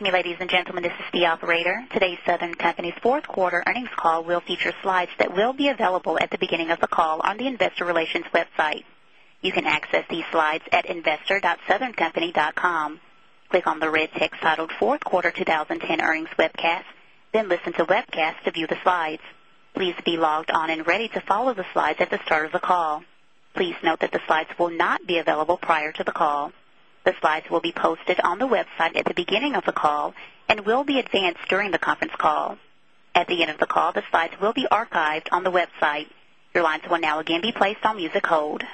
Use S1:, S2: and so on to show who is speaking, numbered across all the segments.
S1: Ladies and gentlemen, this is the operator. Today's Southern Company's 4th quarter earnings call will feature slides that will be available at the beginning of the call on the Investor Relations southerncompany.com. Click on the red text titled 4th Quarter 2010 Earnings Webcast, then listen to webcast to view the slides. Please be logged on and ready to follow the slides at the start of the call. Please note that the slides will not be available prior to the call. The slides will be posted on the website at the beginning of the call and will be advanced during the conference call. At the end of the call, the slides will be archived on the website. Your lines will now again be placed on music hold.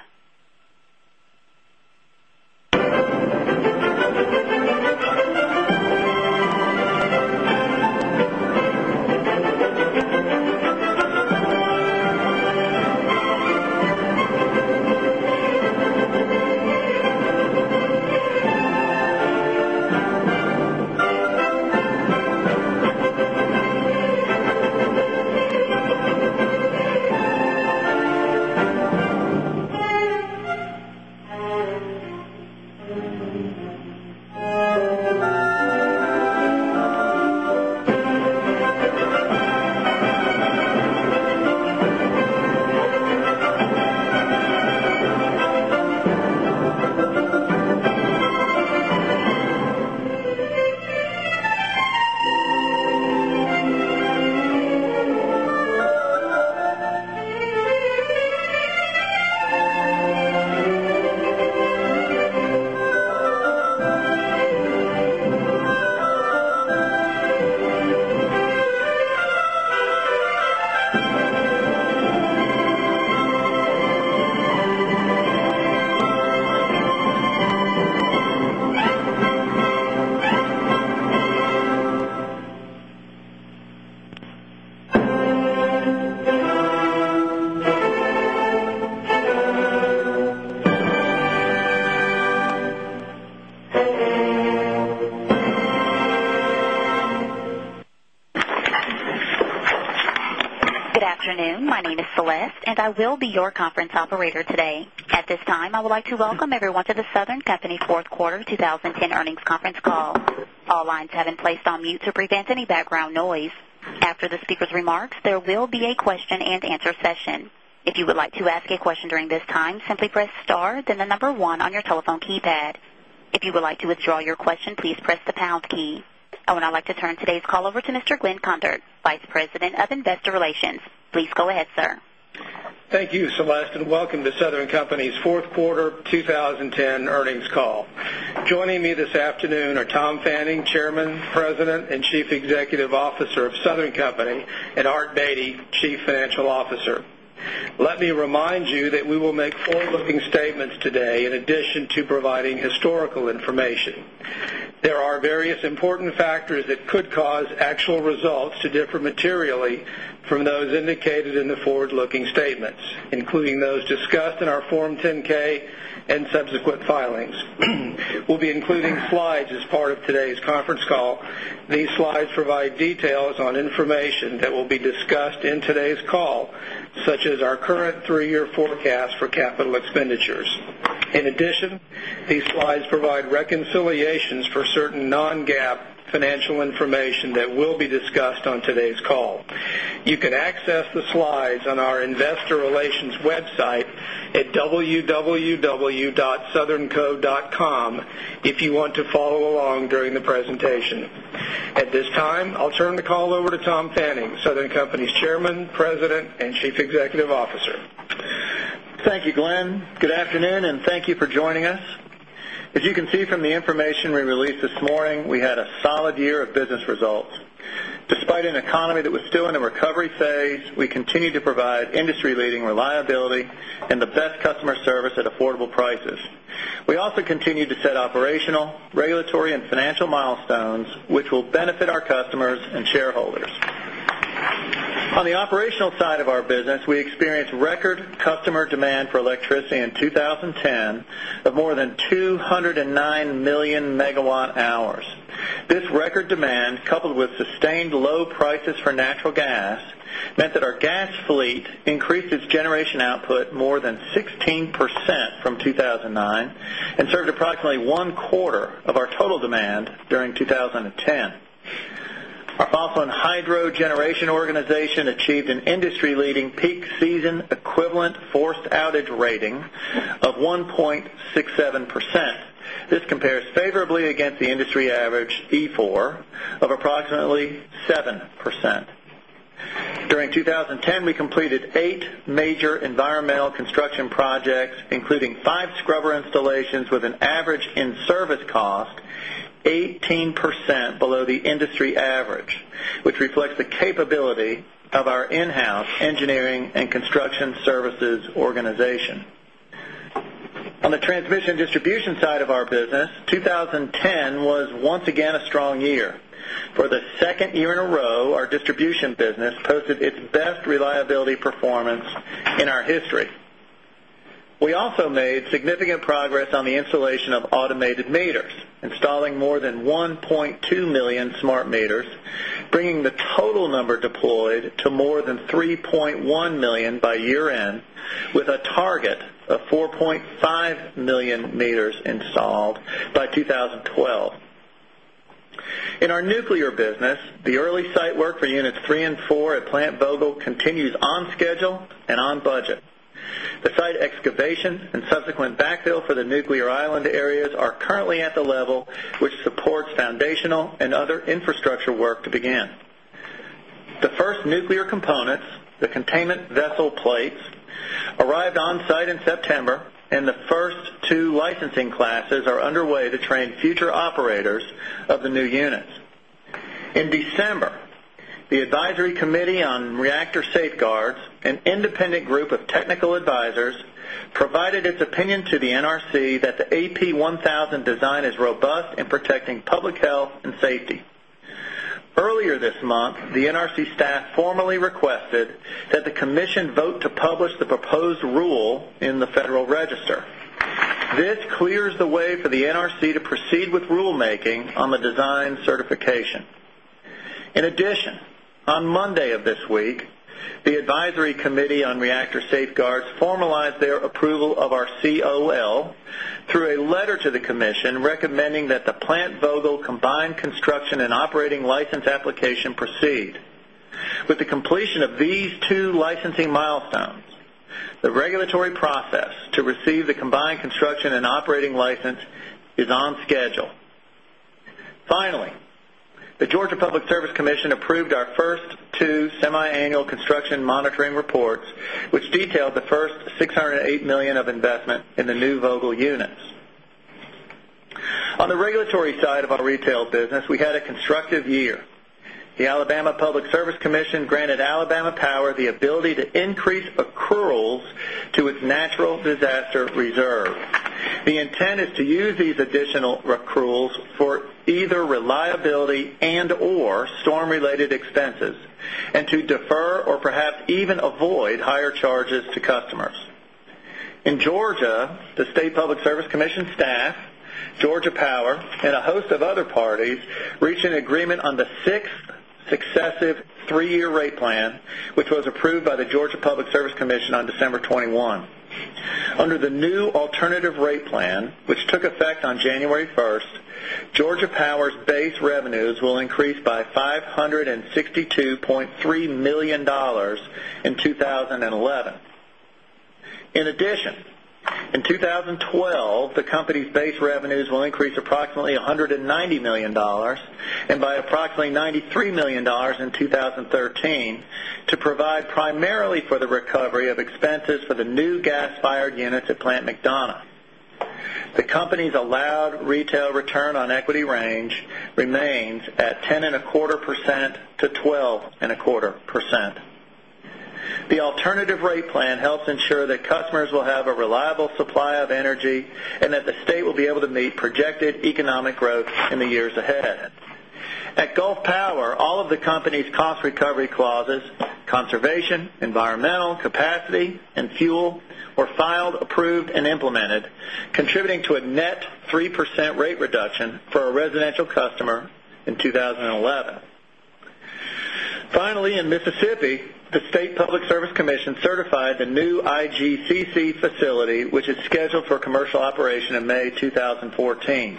S1: Good afternoon. My name is Celeste, and I will be your conference operator today. At this time, I would like to welcome everyone to Southern Company 4th Quarter 20 10 Earnings Conference Call. I would now like to turn today's call over to Mr. Glenn Cundart, Vice President of Investor Relations. Please go ahead, sir.
S2: Thank you, Celeste, and welcome to Southern Company's 4th quarter 2010 earnings call. Joining me this afternoon are Tom Fanning, Chairman, President and Chief Executive Officer of Southern Company and Art Beatty, Chief Financial Officer. Let me remind you that we will make forward looking statements today in addition to providing historical information. There are various important factors that could cause actual results differ materially from those indicated in the forward looking statements, including those discussed in our Form 10 ks and subsequent filings. We'll be including slides as part of today's conference call. These slides provide details on information that will be discussed in today's call such as our current 3 year forecast for capital expenditures. In addition, these slides provide reconciliations
S3: at www.southernco.com
S2: if you want to follow along during the presentation. At this time, I'll turn the call over to Tom Fanning, Southern Company's Chairman, President and Chief Executive Officer.
S3: Thank you, Glenn. Good afternoon and thank you for joining us.
S2: As you can see from
S3: the information we released this morning, we had a solid year of business results. Despite an economy that was still in a recovery phase, we continue to provide industry leading reliability and the best customer service at affordable prices. We also continue to set operational, regulatory and financial milestones, which will benefit our customers and shareholders. On the operational side of our business, we experienced record customer demand for electricity in 2010 of more than 209,000,000 Megawatt Hours. This record demand coupled with sustained low prices for natural gas meant that our gas fleet increased its generation output more than 16% from 2,009 and served approximately 1 quarter of our total demand during 20 10. Our fossil and hydro generation organization achieved an industry leading peak season equivalent forced outage rating of 1.67%. This compares favorably against the industry average E4 of approximately 7%. During 2010, we completed 8 major environmental construction projects including 5 scrubber installations with an average in service cost 18 services organization. On the transmission distribution side of our business, 2010 was once again a 10 was once again a strong year. For the 2nd year in a row, our distribution business posted its best reliability performance in our history. We also made significant progress on the installation of automated meters, installing more than 1,200,000 smart meters, bringing the total number deployed to more than 3,100,000 by year end with a target of 4,500,000 meters installed by 2012. In our nuclear business, the early site work for Units 34 at Plant Vogel continues on schedule and on budget. The site excavations and subsequent backfill for the nuclear island areas are currently at the level, which supports foundational and other other arrived on-site in September and the first two licensing classes are underway to train future operators of the new units. In December, the Advisory Committee on Reactor Safeguards, an independent group of technical advisors provided its opinion to the NRC that the AP1000 design is robust in protecting public health and safety. Earlier this month, the NRC staff formally requested that the commission vote to publish the proposed rule in the Federal Register. This clears the way for the NRC to proceed with rulemaking on the design certification. In addition, on Monday of this week, the Advisory Committee on Reactor Safeguards formalized their approval of our COL through a letter to the commission recommending that the Plant Vogtle combined construction and operating license application proceed. With the completion of these two licensing milestones, the regulatory process to receive the combined construction and operating license is on schedule. Finally, the Georgia Public Service Commission approved our first 2 semiannual construction monitoring reports, which detailed the first $608,000,000 of investment in the new Vogtle units. On the regulatory side of our retail business, we had a constructive year. The Alabama Public Service Commission granted Alabama Power the ability to increase accruals to its natural disaster reserve. The intent is to use these additional accruals for either reliability and or storm related expenses and to defer or perhaps even avoid higher charges to customers. In Georgia, In 3 year rate plan, which was approved by the Georgia Public Service Commission on December 21. Under the new alternative rate plan, which took effect on January 1, Georgia Power's base revenues will increase by $562,300,000 in 20 11. In addition, in 2012, the company's base revenues will increase approximately $190,000,000 and by approximately $93,000,000 in 20.13 to provide primarily for the recovery of expenses for the new gas fired units at Plant McDonough. The company's allowed retail return on equity range remains at 10.25 percent to 12.25%. The alternative rate plan helps ensure that customers will have a reliable supply of energy and that the state will be able to meet projected economic growth in the years ahead. At Gulf Power, all of the company's cost recovery clauses, conservation, environmental, capacity and fuel were filed approved and implemented contributing to a net 3% rate reduction for a residential customer in 20 11. Finally, in Mississippi, the State Public Service Commission certified the new IGCC facility, which is scheduled for commercial operation in May 20 14.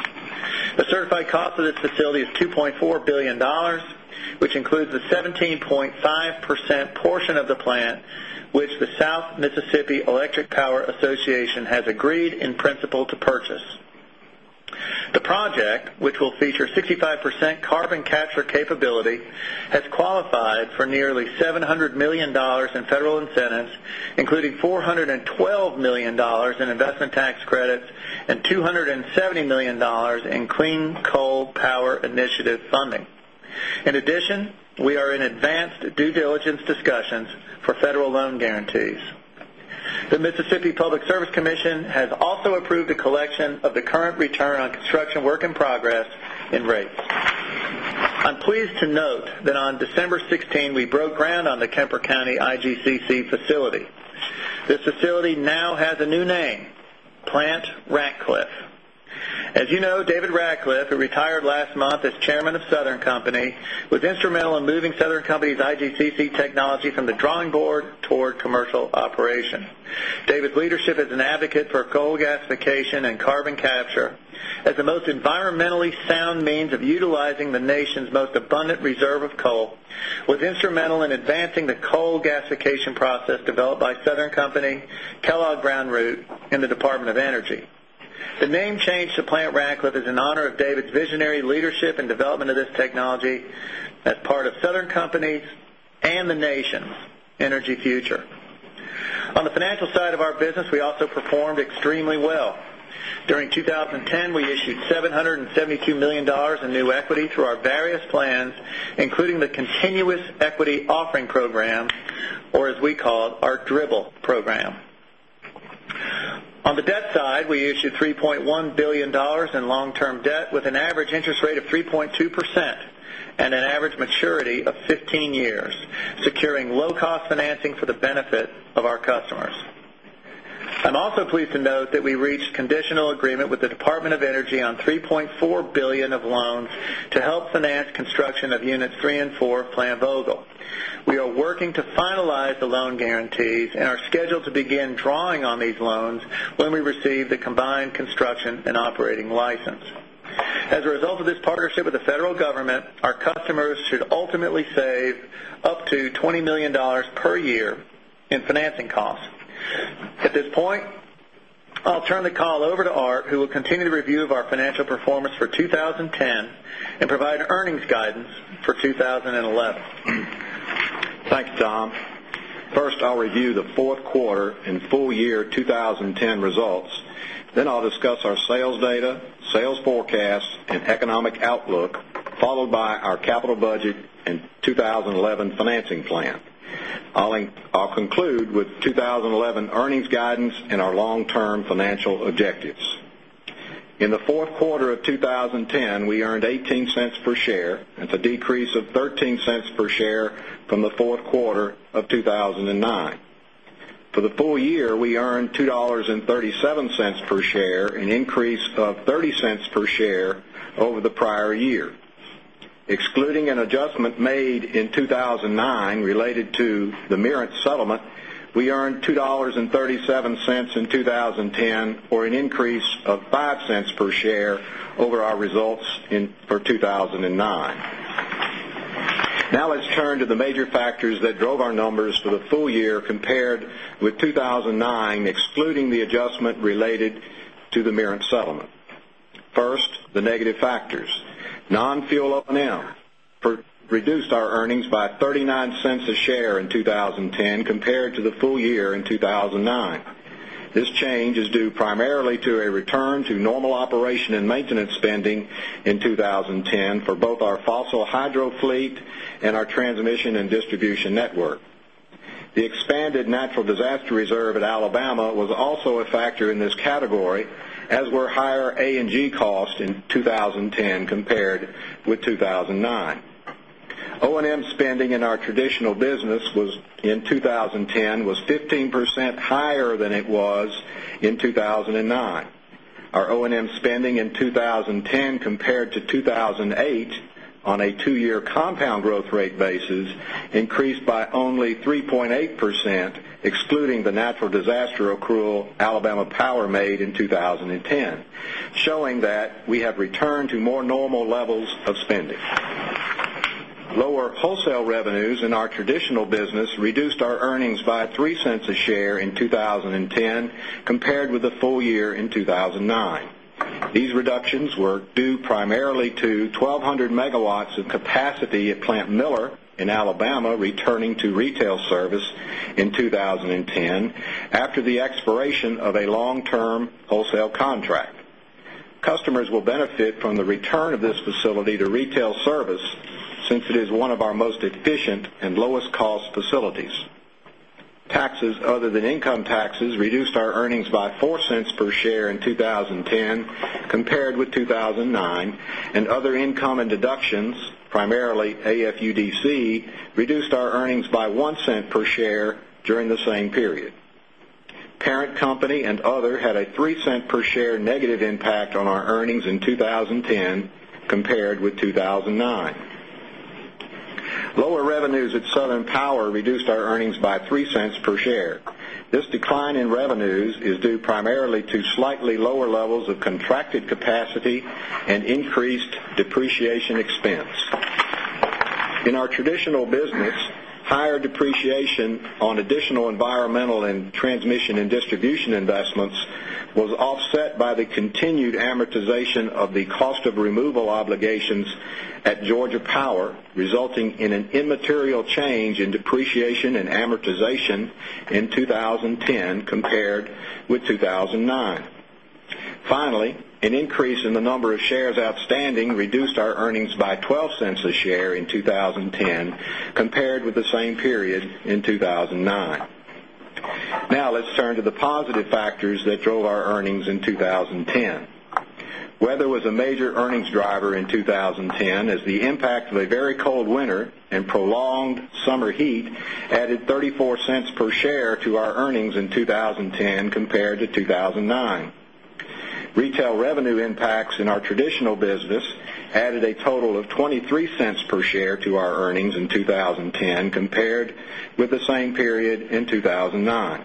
S3: The certified cost of this facility is $2,400,000,000 which includes the 17.5 percent portion of the plant, which the South Mississippi Electric Power Association has agreed in principle to purchase. The project, which will feature 65 percent carbon capture capability, has qualified for nearly $700,000,000 federal incentives, including $412,000,000 in investment tax credits and $270,000,000 in clean coal power initiative funding. In addition, we are in advanced due diligence discussions for federal loan guarantees. The Mississippi Public Service Commission has also approved the collection of the current return on construction work in progress in This facility now has a new name, Plant Ratcliffe. As you know, David Ratcliffe, who retired last month as Chairman of Southern Company, was instrumental in moving Southern Company's IGCC technology from the drawing board toward commercial operation. Coal was instrumental in advancing the coal gasification process developed by Southern Company, Kellogg Brown Route and the Department of Energy. The name change to plant Radcliffe is in honor of David's visionary leadership and development of this technology as part of Southern Company's and the nation's energy future. On the financial side of our business, we also performed extremely well. During 2010, we issued $772,000,000 in new equity through our various plans, including the continuous equity offering program or as we call it our Dribbble program. On the debt side, we issued $3,100,000,000 in long term debt with an average interest rate of 3.2 percent and an average maturity of 15 years, securing low cost financing for Department of Energy on 3 $400,000,000 of loans to help finance construction of Units 34 of Plan Vogtle. We are working to finalize the loan guarantees and are scheduled to begin drawing on these loans when we receive the combined construction and operating license. As a result of this partnership with the federal government, our customers should ultimately save up to $20,000,000 per year in financing costs. At this point, I'll turn the call over to Art, who will continue to review of our financial performance for
S2: and full year 2010 results. Then I'll discuss our sales data, sales forecast and economic outlook followed by our capital budget and 2011 financing plan. I'll conclude with 2011 earnings guidance and our long term financial objectives. In the Q4 of 2010, we earned 0 $0.18 per share and it's a decrease of $0.13 per share from the Q4 of 2,009. For the full year, we earned $2.37 per share, an increase of $0.30 per share over the prior year. Excluding an adjustment made in 2,000 and 9 related to the Merit settlement, we earned $2.37 in 20.10 or an increase of $0.05 per share over our results for 2,009. Now let's turn to the major factors that drove our numbers for the full year compared with 2,009 excluding the adjustment related to the Mirans settlement. First, the negative factors. Non fuel O and M reduced our earnings by $0.39 a share in 20 10 compared to the full year in 2,009. This change is due due and our transmission and distribution network. The expanded natural disaster reserve at Alabama was also a factor in this category as were higher A and in 2010 compared with 2,009. O and M spending in our traditional business was in 2010 was 15 percent higher than it was in 2,009. Our O and M spending in 2010 compared to 2,008 on a 2 year compound growth rate basis increased by only 3.8% excluding the natural disaster accrual Alabama Power in 2010 showing that we have returned to more normal levels of spending. Lower wholesale revenues in our traditional business reduced our earnings by $0.03 a share in 2010 compared with the full year in 2,009. These reductions were due primarily to 1200 megawatts of capacity at Plant Miller in Alabama returning to retail service in 20 10 after the expiration of a long term wholesale contract. Customers will benefit from the taxes reduced our earnings by $0.04 per share in 2010 compared with 2,009 and other income and deductions primarily AFUDC reduced our earnings by $0.01 per share during the same period. Parent company and other had a $0.03 a Lower contracted capacity and increased depreciation expense. In our traditional business, higher depreciation on additional environmental and transmission and distribution investments was offset by the continued amortization of the cost of removal obligations at Georgia Power resulting in an immaterial change in depreciation and amortization in 2010 compared with 2,009. Finally, an increase in the number of shares outstanding reduced our earnings by $0.12 a share in 2010 compared with the same period in 2,009. Now let's turn to the positive factors that drove our earnings in 2010. Weather was a major earnings driver in 2010 as the impact of a very cold winter and prolonged summer heat Retail revenue impacts in our traditional business added a total of $0.23 per share to our earnings in 20 with the same period in 2,009.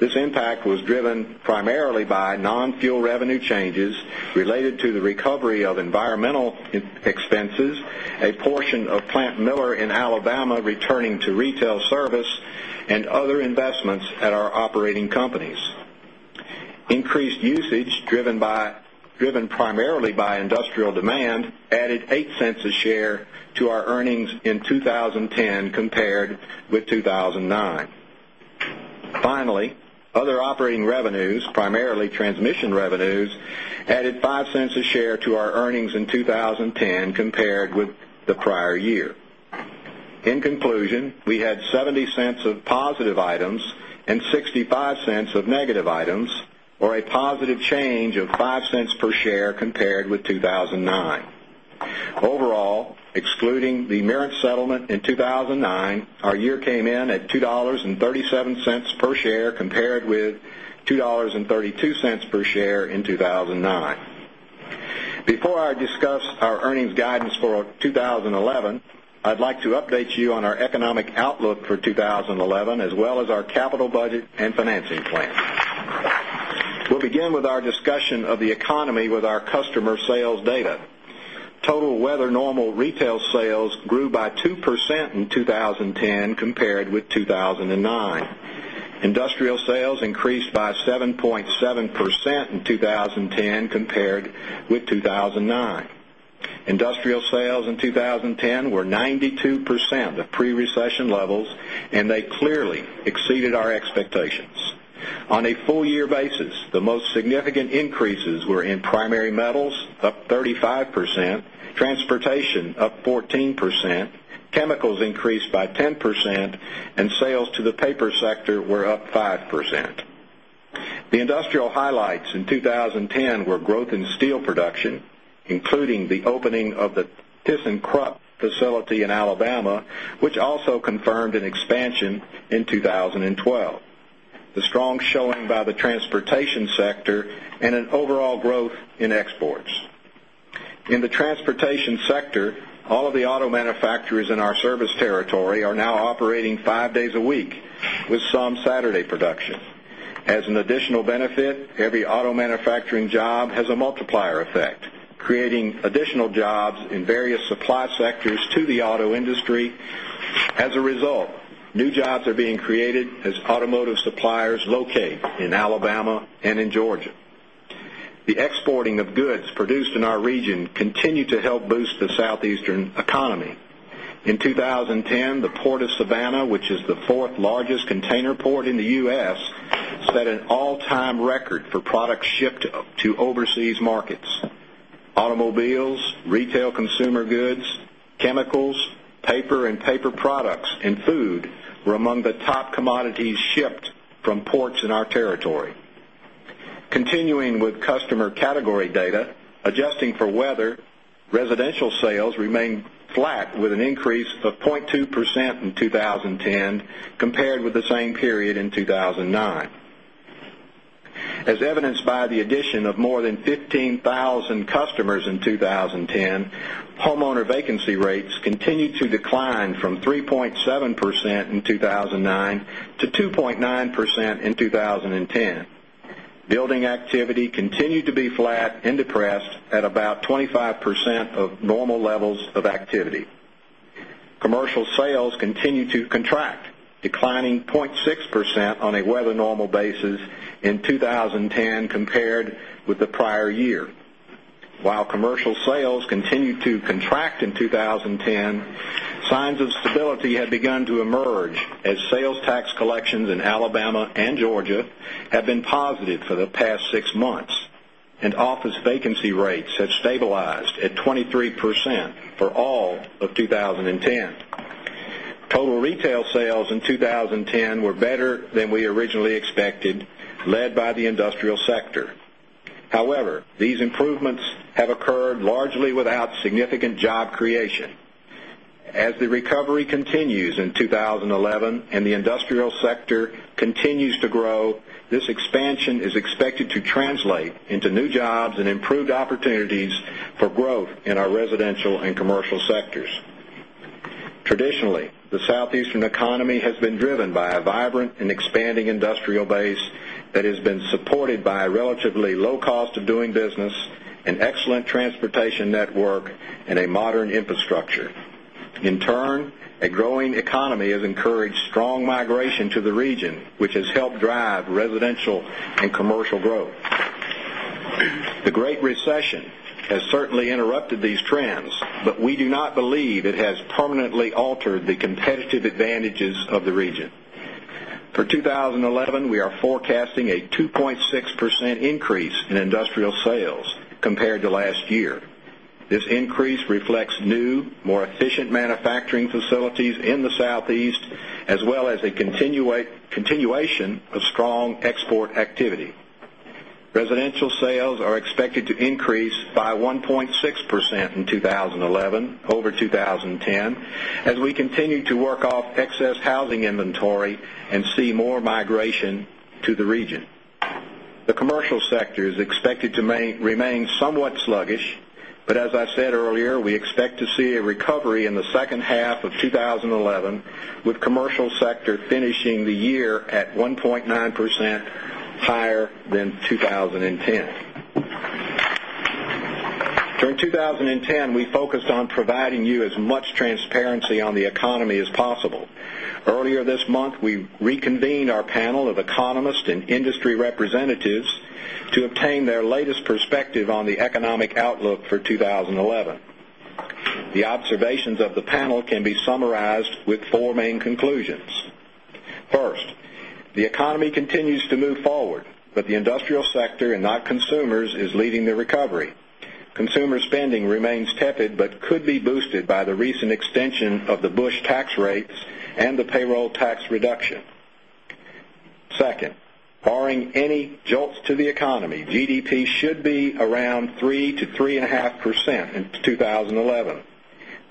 S2: This impact was driven primarily by non fuel revenue changes related to the recovery of environmental expenses, a portion of Plant Miller in Alabama returning to retail service and other investments at our operating companies. Increased usage driven primarily by industrial demand added $0.08 a share to our earnings in 2010 compared with 2,009. Finally, other operating revenues primarily transmission revenues added 0 point 10 compared with the prior year. In conclusion, we had $0.70 of positive items and $0.65 of negative items or a positive change of $0.05 per share compared with 2,009. Overall, excluding the Merit settlement in 2000 and 9, our year came in at $2.37 per share compared with $2.32 per share in 2,009. Before I discuss our earnings guidance for economic outlook for 2011 as well as our capital budget and financing plan. We'll begin with our discussion of the economy with our customer sales data. Total weather normal retail sales grew by 2% in 2010 compared with 2,009. Industrial sales increased by 7.7% in 2010 compared with 2,009. Industrial sales in 2010 were 92% of pre recession levels and they clearly exceeded our 14%, chemicals increased by 10% and sales to the paper sector were up 5%. The industrial highlights in 2010 were growth in steel production including the opening of the Thyssenkrupp facility in Alabama, which also confirmed an expansion in 2012, the strong showing by the transportation sector and an overall growth in exports. In the transportation sector, all of the auto manufacturers territory are now operating 5 days a week with some Saturday production. As an additional benefit, every auto manufacturing job has a multiplier effect creating additional jobs in various supply sectors to the auto industry. As a result, new jobs are being created as automotive suppliers locate in Alabama and in Georgia. The exporting of goods produced in our region continue to help boost the Eastern economy. In 2010, the Port of Savannah, which is the 4th largest container port in the U. S. Set an all time record for products shipped to overseas markets. Automobiles, retail consumer goods, chemicals, paper and paper products and food were among the top commodities shipped from ports in our territory. Continuing with customer category data, adjusting for weather, residential sales remained flat with an increase of 0.2% in 2010 compared with the same period in 2,009. As evidenced by the addition of more than 15,000 customers in 2010, homeowner vacancy rates continued to decline from 3.7% in 2,009 to 2.9% in 10. Building activity continued to be flat and depressed at about 25% of normal levels of activity. Commercial sales continue to contract declining 0.6% on a weather normal basis in 20 10 compared with the prior year. While commercial sales continued to contract in 2010, signs of stability have begun to emerge as sales tax collections in Alabama and Georgia have been positive for the past 6 months and office vacancy rates have stabilized at 23% for all of 2010. Total retail sales in 2010 were better than we originally expected led by the industrial sector. However, these improvements have occurred largely without significant job creation. As the recovery continues in 2011 and the industrial sector continues to grow, this expansion is expected to translate into new jobs and improved opportunities for growth in our residential and commercial sectors. Traditionally, the Southeastern economy has been driven by a vibrant and expanding industrial base that has been supported by a relatively low cost of doing business, an excellent transportation network and a modern infrastructure. In turn, a growing economy has encouraged strong migration to the region, which has helped drive residential and commercial growth. The Great Recession has certainly interrupted these trends, but we do not believe it has manufacturing facilities in the Southeast as well as a continuation of strong export 2010 as we continue to work off excess housing inventory and see more migration to the region. The commercial The commercial sector is expected to remain somewhat sluggish. But as I said earlier, we expect to see a recovery in the second half of twenty eleven with commercial sector finishing the year at 1.9% higher than 2010. During 2010, we focused on providing you as much transparency on the economy as possible. Earlier this month, we reconvened our panel of economists and industry representatives to obtain their latest perspective on the economic outlook for 2011. The observations of the panel can be summarized with 4 main conclusions.
S4: 1st,
S2: the economy continues to move forward, but the industrial sector and not consumers is leading the recovery. Consumer spending remains tepid, but could be boosted by the recent extension of the Bush tax rates and the payroll tax reduction. 2nd, barring any jolts to the economy, GDP should be around 3% to 3.5% in twenty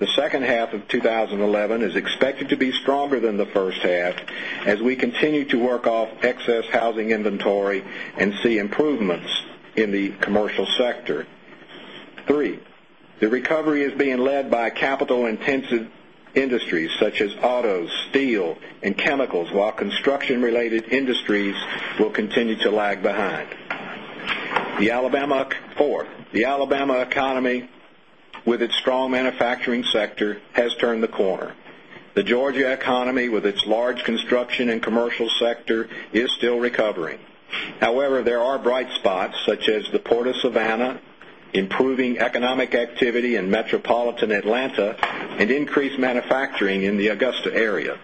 S2: 11. The second half of twenty eleven is expected to be stronger than the first half as we continue to work off excess housing inventory and see improvements in the commercial sector. 3, the recovery is being led by capital intensive industries such as auto, steel and chemicals while construction related industries will continue to lag behind. The Alabama 4th, the Alabama economy with its strong manufacturing sector has turned the corner. The Georgia economy with its large construction and commercial sector is still recovering. However, there are bright spots such as Port of Savannah, improving economic activity in metropolitan Atlanta and increased manufacturing in the Augusta area.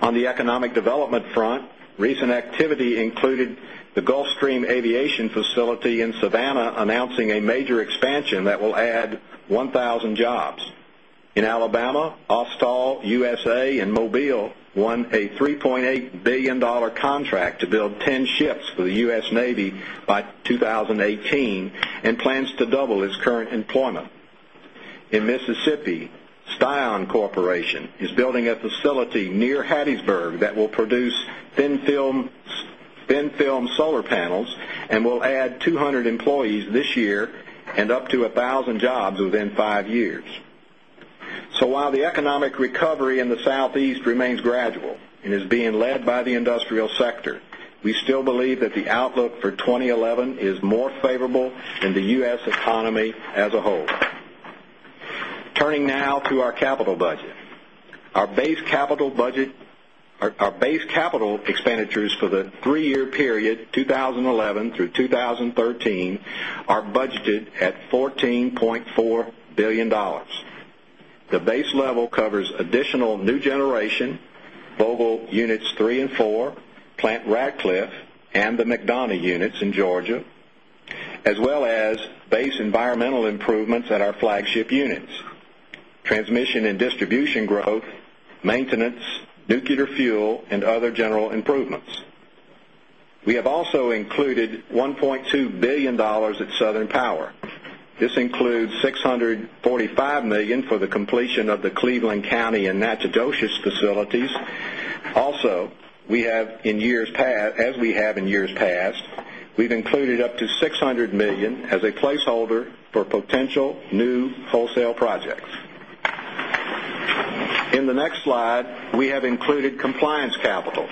S2: On the economic development front, recent activity included the Gulfstream Aviation Facility in Savannah announcing a major expansion that will add 1,000 jobs. In Alabama, Austal USA and Mobile won a $3,800,000,000 contract to
S5: build
S2: Scion Corporation is building a facility near Hattiesburg that will produce thin film solar panels and will add 200 employees this year and up to 1,000 jobs within 5 years. So while the economic recovery in the South East remains gradual and is being led by the industrial sector, we still believe that the outlook for 20 11 is more favorable budget our base capital expenditures for the 3 year period 2011 through 2013 are budgeted at $14,400,000,000 The base level covers additional new generation Vogtle Units 34, Plant Rad units, transmission and distribution growth, maintenance, nuclear fuel and other general improvements. We have also included $1,200,000,000 at Southern Power. This includes $645,000,000 for the completion of the Cleveland County and naturoshas facilities. Also, we have in years past as we have in years past, we've included up to 6 $100,000,000 as a placeholder for potential new wholesale projects. In the next slide, we have included compliance capital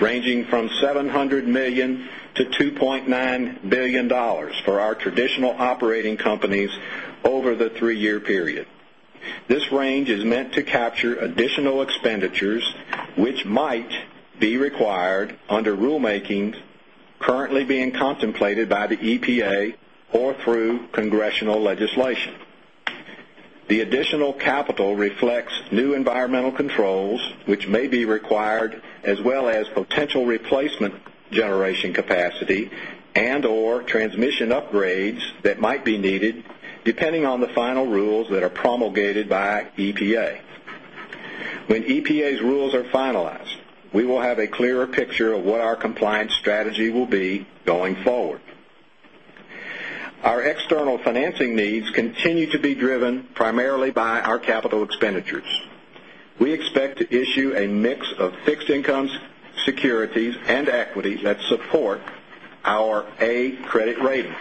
S2: ranging from $700,000,000 to $2,900,000,000 for our traditional operating companies over the 3 year period. This range is meant to capture additional expenditures, which might be required under rulemaking currently being contemplated by the EPA or through congressional legislation. The additional capital reflects new environmental controls, which may be required as well as potential replacement generation capacity and or transmission upgrades that might be needed depending on the final rules that are promulgated by EPA. When EPA's rules are finalized, we will have a clearer picture of what our compliance strategy will be going forward. Our external financing needs continue to be driven primarily by our capital expenditures. We expect issue a mix of fixed income securities and equities that support our A credit rating.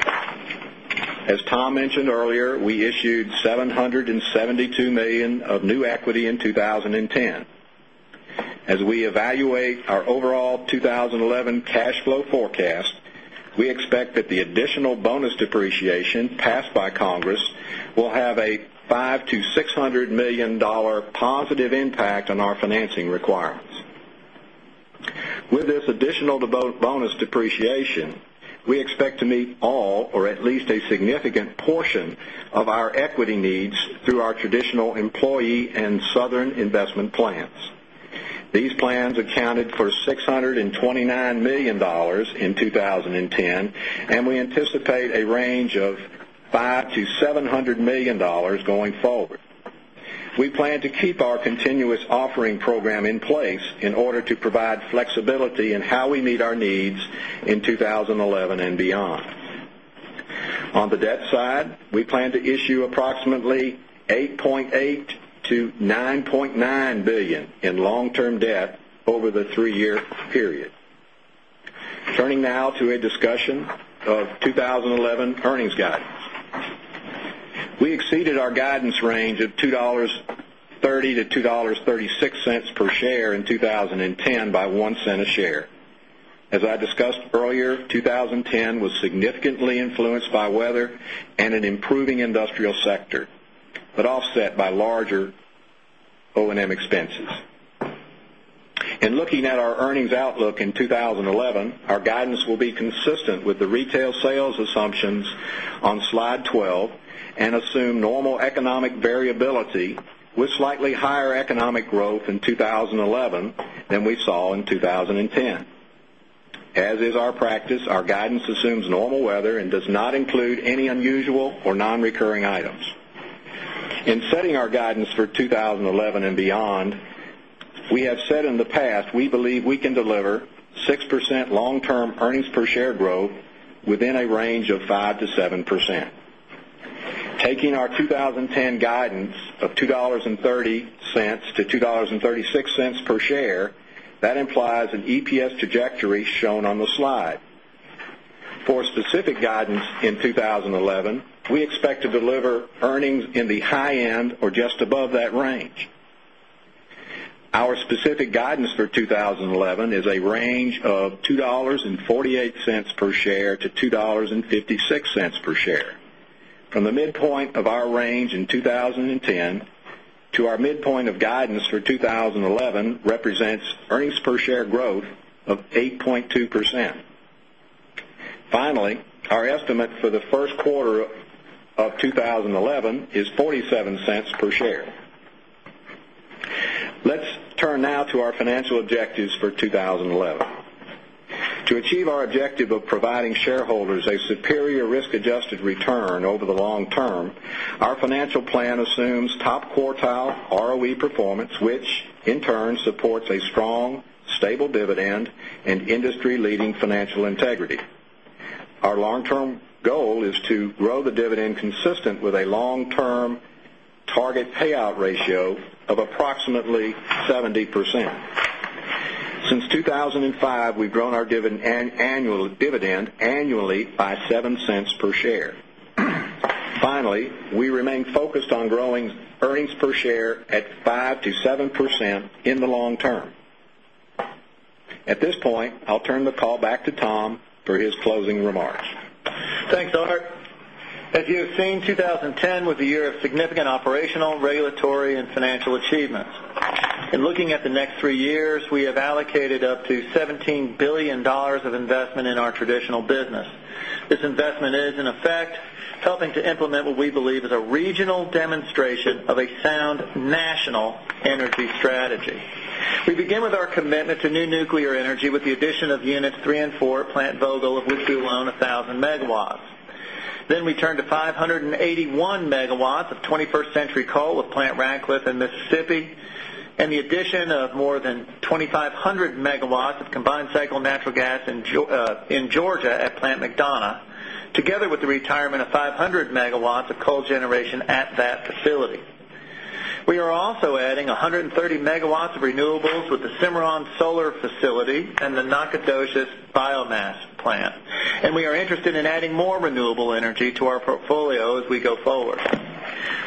S2: As Tom mentioned earlier, we issued $772,000,000 of new equity in 20 10. As we evaluate our overall 2011 cash flow forecast, we expect that the additional bonus depreciation passed by Congress will have a $500,000,000 to $600,000,000 positive impact on our financing requirements. With this additional bonus depreciation, we expect to meet all or at least a significant portion of our equity needs through our traditional employee and Southern investment plans. These plans accounted for $629,000,000 in 2010 and we anticipate a range of $500,000,000 to $700,000,000 going forward. We plan to keep our continuous offering program in place in order to provide flexibility in how we meet our needs in 2011 and beyond. On the debt side, we plan to issue approximately $8,800,000,000 to $9,900,000,000 in long term debt over the 3 year period. Turning now to a discussion of 2011 earnings guidance. We exceeded our guidance range of 2 point $3.0 to $2.36 per share in 20.10 by $0.01 a share. As I discussed earlier, 2010 was significantly influenced by weather and an improving industrial sector, but offset by be consistent with the retail sales assumptions on slide 12 and assume normal economic economic variability with slightly higher economic growth in 2011 than we saw in 2010. As is our practice, our guidance assumes normal weather and does not include any unusual or non recurring items. In setting our guidance for 2011 and beyond, we have said in the past, we believe we can deliver 6% long term earnings per share growth within a range of 5% to 7%. Taking our 2010 guidance of $2.30 to 2 point
S6: an
S2: earnings in the high end or just above that range. Our specific guidance for 2011 is a range of $2.48 per share to $2.56 per share. From the midpoint of our range in 2010 to our midpoint of guidance for 11 represents earnings per share growth of 8.2%. Finally, our estimate for the Q1 of 20 11 is $0.47 per share. Let's turn now to our financial objectives for 2011. To achieve our objective of providing shareholders a superior risk adjusted return over the long term, our financial plan assumes top quartile ROE performance, which in turn supports a strong stable dividend and industry leading financial integrity. Our long term goal is to grow the dividend consistent with a long term target payout ratio of approximately 70%. Since 2,005, we've grown our dividend annually by $0.07 per share. Finally, we remain focused on growing earnings per share at 5% to 7% in the long term. At this point, I'll turn the call back to Tom for his closing remarks.
S3: Thanks, Art. As you have seen, 2010 was a year of significant operational, financial achievements. And looking at the next 3 years, we have allocated up to $17,000,000,000 of investment in our traditional business. This investment is in effect helping to implement what we believe is a regional demonstration of a sound national energy strategy. We begin with our commitment to new nuclear energy with the addition of Units 34, Plant Vogtle, of which we will own 1,000 megawatts. Then we turn to 581 Megawatts of 21st Century Coal at Plant Radcliffe in Mississippi and the addition of more than of of coal generation at that facility. We are also adding 130 megawatts of renewables with the Cimarron solar facility and the Nacogdoches biomass plant and we are interested in adding more renewable energy to our portfolio as we go forward.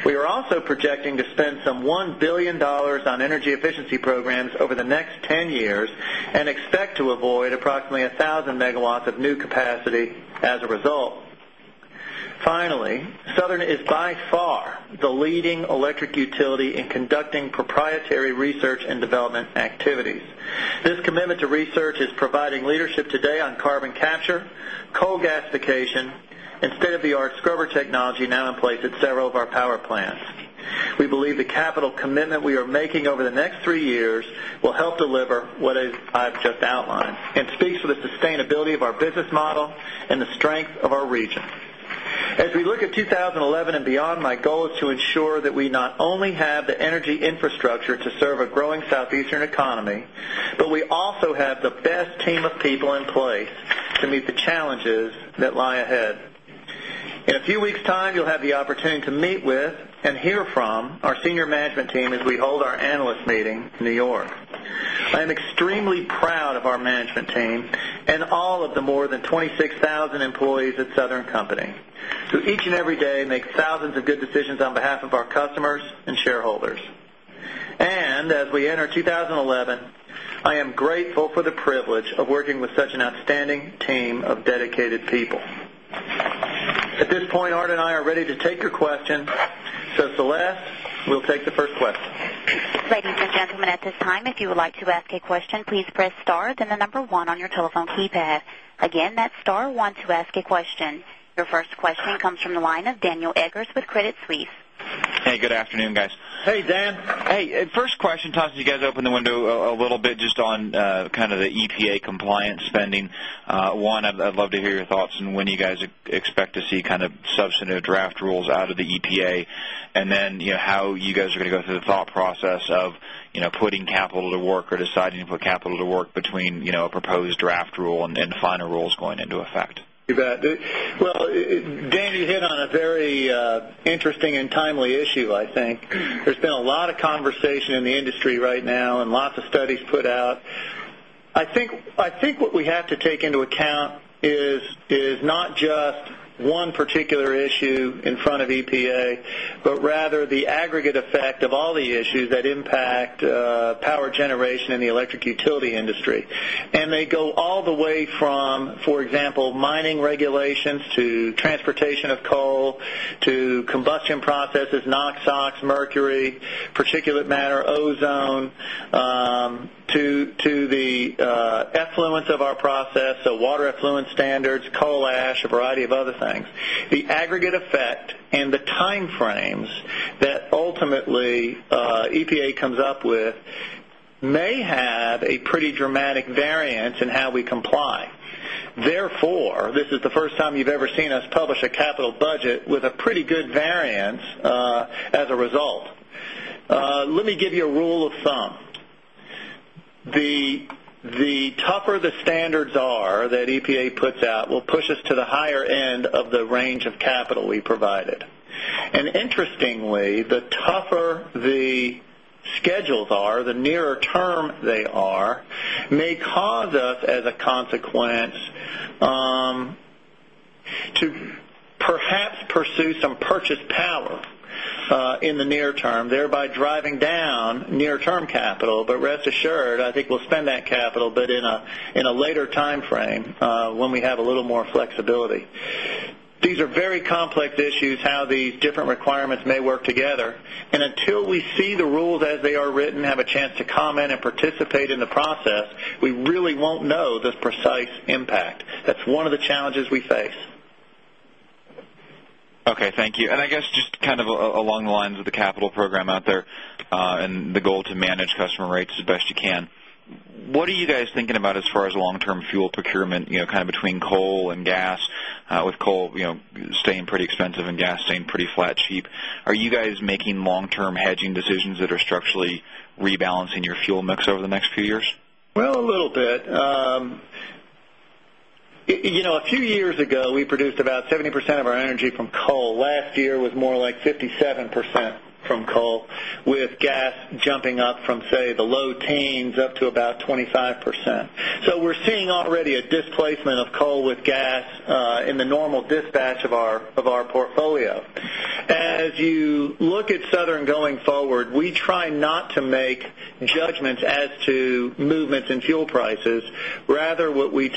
S3: We are also projecting to spend some $1,000,000,000 on energy efficiency programs over the next 10 years and expect to avoid the leading electric utility in conducting proprietary research and development activities. This commitment to research is providing leadership today on carbon capture, coal gasification and state of the art scrubber technology now in place at several of our power plants. We believe the capital commitment we are making over the next 3 years will help deliver what I've just outlined and speaks for the sustainability of our business model the Southeastern economy, but we also have the best team of people in place to meet the challenges that lie ahead. In a few weeks' time, you'll have the opportunity to meet with and hear from our senior management team as we hold our analyst meeting in New York. I am extremely proud of our management team and all of the more than 26,000 employees at Southern Company who each and every day make thousands of good decisions on behalf of our customers and shareholders. And as we enter 2011, I am grateful for the privilege of working with such an outstanding team of dedicated people. At this point, Art and I are ready to take your questions. So Celeste, we'll take the first question.
S1: Your first question comes from the line of Daniel Eggers with Credit Suisse.
S7: Hey, good afternoon guys.
S2: Hey, Dan. Hey, first question, Tasha, you guys opened
S7: the window a little bit just on kind of the EPA compliance spending. One, I'd love to hear your thoughts on when you guys expect to see kind of substantive draft rules out of the EPA? And then how you guys are going to go through the thought process of putting capital to work or deciding for capital to work between a proposed draft rule and final rules going into effect?
S3: You bet. Well, Dan, you hit on a very interesting and timely issue, I think. There's been a lot of conversation in the industry right now and lots of studies put out. I think what we have to take into account is not just one particular issue in front of EPA, but rather the aggregate effect of all the issues that impact power generation in the electric utility industry. And they go all the way from, for example, mining regulations to transportation of coal to combustion processes, NOx, SOx, mercury, particulate matter, ozone to the effluence of our process, so water effluent standards, coal ash, a variety of other things, the aggregate effect and the timeframes that ultimately EPA comes up with may have a pretty dramatic variance in how we comply. Therefore, this is the first time you've ever seen us publish a capital budget with a pretty good variance as a result. Let me give you a rule of thumb. The tougher the standards are that EPA puts out will push us to the higher end of the range of capital we provided. And interestingly, the tougher the schedules are, the nearer term they are may cause us as a consequence to perhaps pursue some purchase power in the near term, thereby driving down near term capital. But rest assured, I think we'll spend that capital, but in a later timeframe when we have a
S2: a little more flexibility.
S3: These are very complex issues how these different requirements may work together. And until we see the rules as they are written, have a chance to comment and participate in the process, we really won't know this precise impact. That's one of the challenges we face.
S7: Okay, thank you. And I guess just kind of along the lines of the capital program out there and the goal to manage customer rates as best you can. What are you guys thinking about as far as long term fuel procurement kind of between coal and gas with coal staying pretty expensive and gas staying pretty flat cheap. Are you guys making long term hedging decisions that are structurally rebalancing your fuel mix over the next few years?
S3: Well, a little bit. A few years ago, we produced about 70% of our energy from coal. Last year, it was more like 57% from coal with gas jumping up from say the low teens up about 25%. So we're seeing already a displacement of coal with gas in the normal dispatch of our portfolio. As you look at Southern going forward, we try not to make judgments as to movements in fuel prices. Rather, do is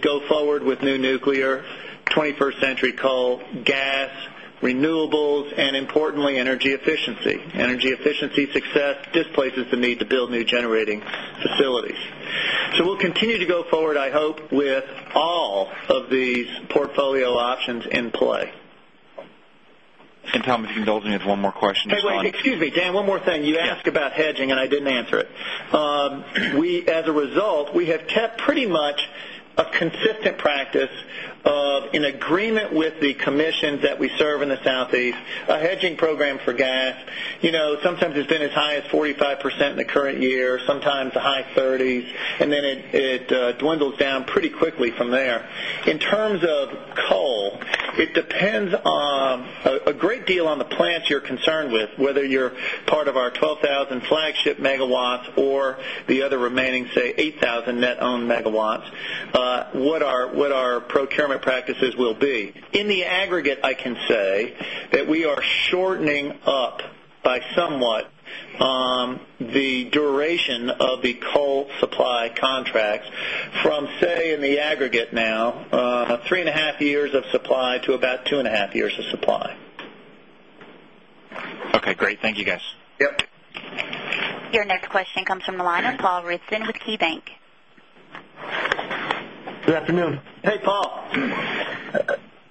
S3: go forward with new nuclear, 21st century coal, gas, renewables and importantly energy efficiency. Energy efficiency success displaces the need to build new generating facilities. So we'll continue to go forward I hope with all of these portfolio options in play.
S2: And Tom,
S7: if you indulge me one more question.
S3: Hey, excuse me, Dan, one more thing. You asked about hedging and I didn't it. We as a result, we have kept pretty much a consistent practice of an agreement with the commissions that we serve in the Southeast, a hedging program for gas, sometimes it's been as high as 45% in the current year, sometimes the high 30s and then it dwindles down pretty quickly from there. In terms of coal, it depends on a great deal on the plants you're concerned with, whether you're part of our 12,000 flagship megawatts or the other remaining, say, 8,000 net owned megawatts, what our procurement practices will be. In the aggregate, I can say that we are shortening up by somewhat the duration of the coal supply contracts from say in the aggregate now 3.5 years of supply to about 2.5 years of supply.
S2: Okay,
S1: Your next question comes from the line of Paul Ridzon with KeyBanc.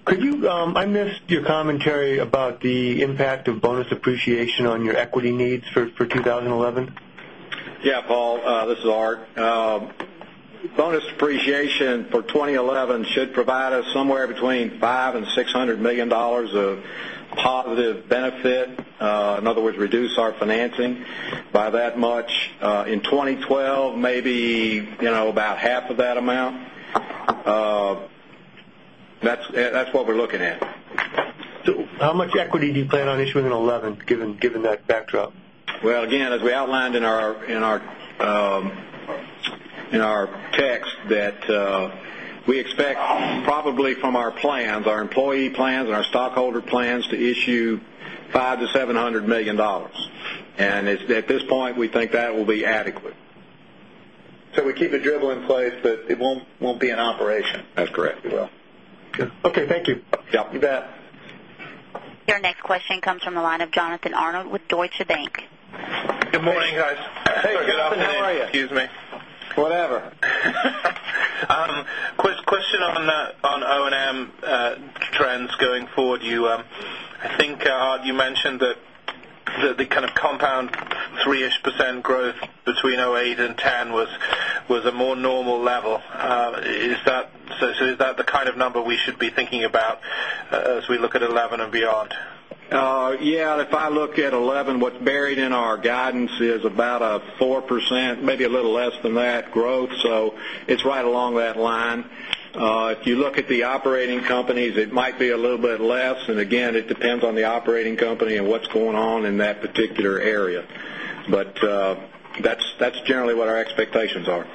S8: Could you I missed your commentary about the impact of bonus depreciation on your equity needs for 2011?
S2: Yes, Paul. This is Art. Bonus depreciation for 2011 should provide us somewhere between $500,000,000 In other words, reduce our financing by that much. In 2012, maybe about half of that amount. That's what we're looking at.
S8: How much equity do you plan on issuing in 2011 given that backdrop?
S2: Well, again, as we outlined in our text that we expect probably from our plans, our employee plans and our stockholder plans to issue $500,000,000 to $700,000,000 And at this point we think that will be adequate.
S3: So we keep the dribble in place, but it won't be in operation. That's That's
S1: correct. Your next question comes from the line of Jonathan Arnold with Deutsche Bank.
S9: Good morning, guys.
S3: Hey, good afternoon. Good afternoon. Excuse
S2: me. Whatever.
S10: Question on O and M trends going forward. I think, Art, you mentioned that the kind of compound 3% -ish growth between 'eight and 'ten was a more normal level. Is that of number we should be thinking about as we look at 2011 and beyond?
S2: Yes. If I look at 2011 what's buried in our guidance is about a 4%, maybe a little less than that growth. So it's right along that line. If you look at the operating companies, it might be a little bit less. And again, it depends on the operating company and what's going on in that particular area. But that's generally what our expectations are.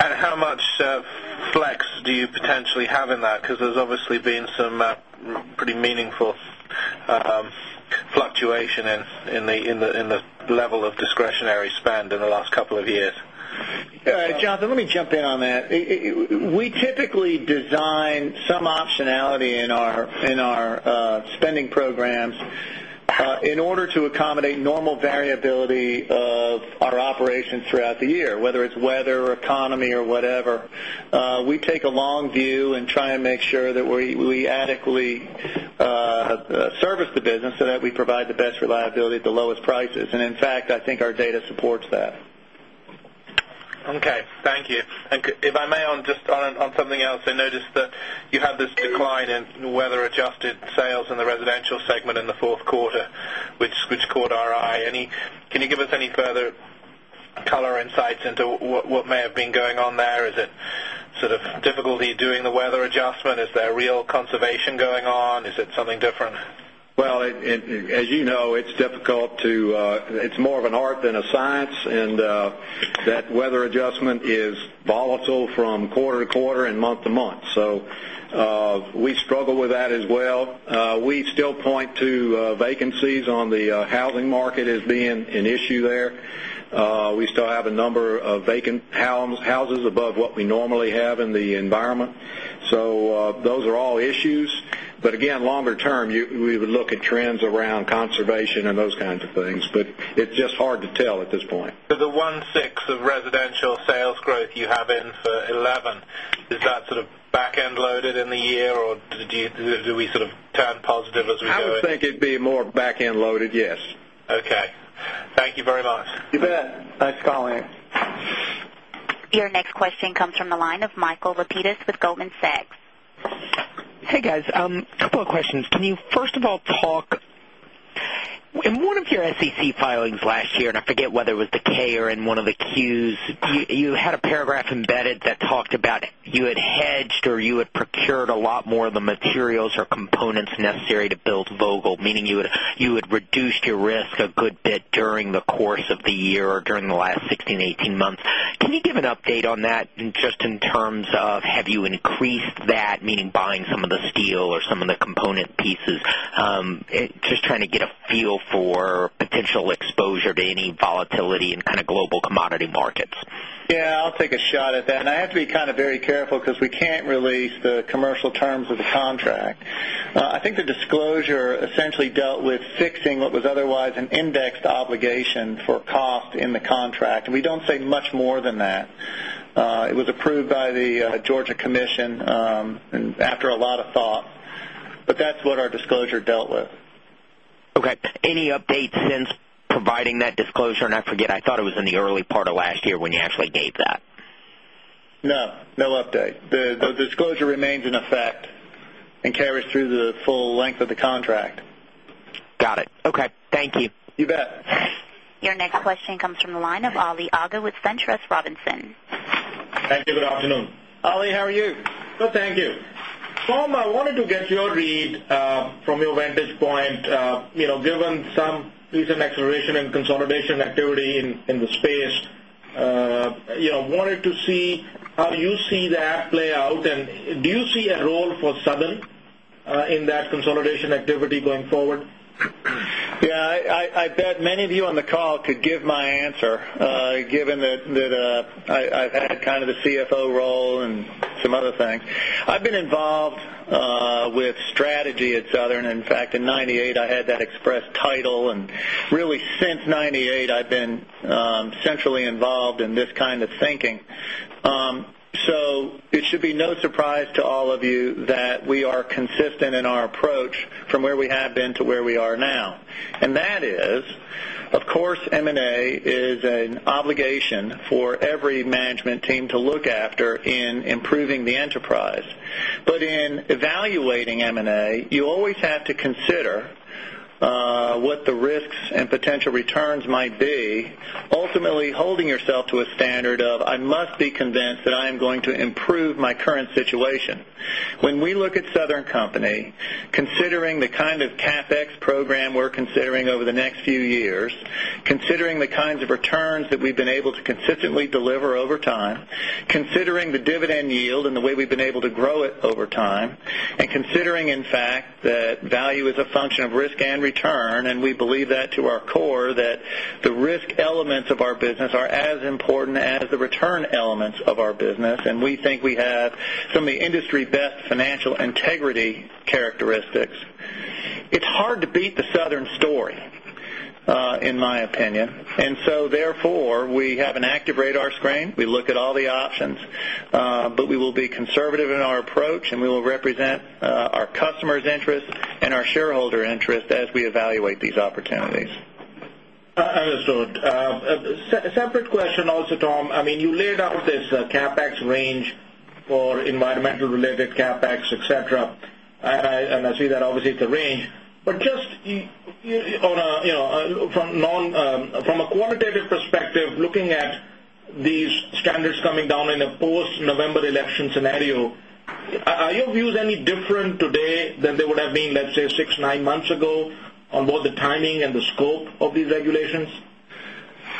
S10: And how much flex do you potentially in that because there's obviously been some pretty meaningful fluctuation in the level of discretionary spend in the last couple of
S3: years? Jonathan, let me jump in on that. We typically design some optionality in our spending We take a long view and try and make sure that we're we reliability at the lowest prices. And in fact,
S11: I think our data supports that. Okay.
S10: Thank you. And if I may on just on something else, I noticed that you have this decline in weather adjusted sales in the Residential segment in the 4th quarter, which caught our eye. Any can you give us any further color insights into what may have been going on there? Is it sort of difficulty doing the weather adjustment? Is there real conservation going on? Is it something different?
S2: Well, as you know, it's difficult to it's more of an art than a science and that weather adjustment is volatile from quarter to quarter month to month. So we struggle with that as well. We still point to vacancies on the housing market as being an issue there. We still have a number of vacant houses above what we normally have in the environment. So those are all issues. But again longer term we would look at trends around conservation and those kinds of things. But it's just hard to tell at this point.
S10: So the 1.6% of residential sales growth you have in for 2011, is that sort of back end loaded in the year? Or do we sort of positive as we do it?
S2: I think it'd be more back end loaded, yes.
S10: Okay. Thank you very much.
S3: You bet. Thanks, Collyn.
S1: Your next question comes from the line of Michael Lapides with Goldman Sachs.
S4: Hey, guys. Couple of questions. Can you
S2: first of all talk in one of
S1: your SEC filings last year and I forget whether it was the K or in one of the
S4: Qs, you had a paragraph embedded that talked about you had hedged or you had procured a lot more of the materials or components necessary to build Vogtle, meaning you would reduce your risk a good bit during the course of the year or during the last 16 months, 18 months. Can you give an update on that just in terms of have you increased that meaning buying some of the steel or some of the component pieces? Just trying to get a feel for potential exposure to any volatility in kind of global commodity markets.
S3: Yes, I'll take a shot at that. And I have to be kind of very careful because we can't release the commercial terms of the contract. I think the disclosure essentially dealt with fixing what was otherwise an indexed obligation for cost in the contract. We don't say much more than that. It was approved by the Georgia Commission after a lot of thought, but that's what our disclosure dealt with.
S4: Okay. Any update since providing that disclosure? And I forget, I thought it was in the early part of last year when you actually gave that?
S3: No, no update. The disclosure remains in effect and carries through the full length of the contract.
S4: Got it. Okay. Thank you.
S3: You bet.
S1: Your next question comes from the line of Ali Agha with SunTrust Robinson.
S6: Thank you. Good afternoon. Ali, how are you?
S3: Well, thank you. Tom, I wanted to get
S9: your read from your vantage point, given some recent acceleration and consolidation activity in the space. I wanted to see how you see that play out. And do you see a role for Southern in that consolidation activity going forward?
S3: Yes. I bet many of you on the call could give my answer given that I've had kind of the CFO role and some other things. I've been involved with strategy at Southern. In fact, in 'ninety eight, I had that express title. And really since 'ninety eight, I've been centrally involved in this kind of thinking. So it should be no surprise to all of you that we are consistent in our approach from where we have been to where we are now. And that is, of course, M and A is an obligation for every management team to look after in improving the enterprise. But in evaluating M and A, you always have to consider what the risks and potential returns might be, ultimately holding yourself to a standard of I must be convinced that I am going to improve my current situation. When we look at Southern Company, considering the kind of CapEx program we're considering over the next few years, considering the kinds of returns that we've been able to consistently deliver over time, considering the dividend yield and the way we've been able to grow it over time and considering in fact that value is a function of risk and return and we believe that to our core that the risk elements of our business are as important as the return elements of our business and we think we have some of the industry best financial integrity characteristics. It's hard to beat the Southern options, But we will be conservative in our approach and we will represent our customers' interest and our shareholder interest as we evaluate these opportunities.
S9: Understood. Separate question also Tom. I mean you laid out this CapEx range for environmental related CapEx, etcetera. And I see that obviously it's a range. But just on a from a quantitative perspective, looking at these standards coming down in a post November election scenario, are your views any different today than they would have been, let's say, 6, 9 months ago on both the timing and the scope of these regulations?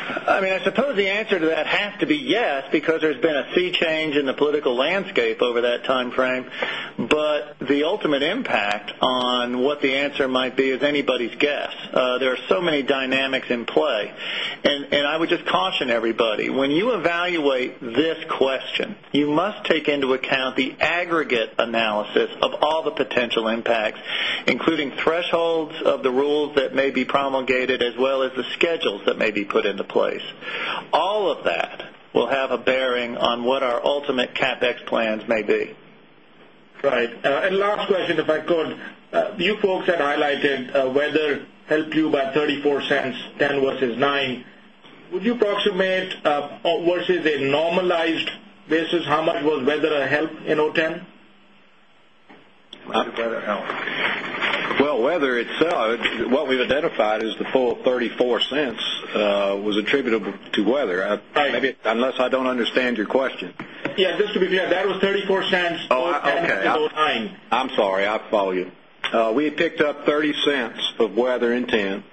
S3: I mean, I suppose the answer to that has to be yes, because there's been a sea change in the political landscape over that timeframe. But the ultimate impact on what the answer might be is anybody's guess. There are so many dynamics in play. And I would just caution everybody, when you evaluate this question, you must take into account the aggregate analysis of all the potential impacts, including thresholds of the rules that may be promulgated as well as the schedules may be put into place. All of that will have a bearing on what our ultimate CapEx plans may be.
S9: Right. And last question, if I could. You folks have highlighted weather helped you by $0.34 $0.10 versus $0.09 Would you approximate versus a normalized basis how much was weather a help in 'ten? How
S2: much weather helped? Well, weather itself, what we've identified is the full $0.34 was attributable to weather. Unless I don't understand your question.
S9: Yes. Just to be clear, that was $0.34 in 'ten-nine.
S2: I'm sorry. I follow you. We had picked up $0.30 of $3 of weather in 'ten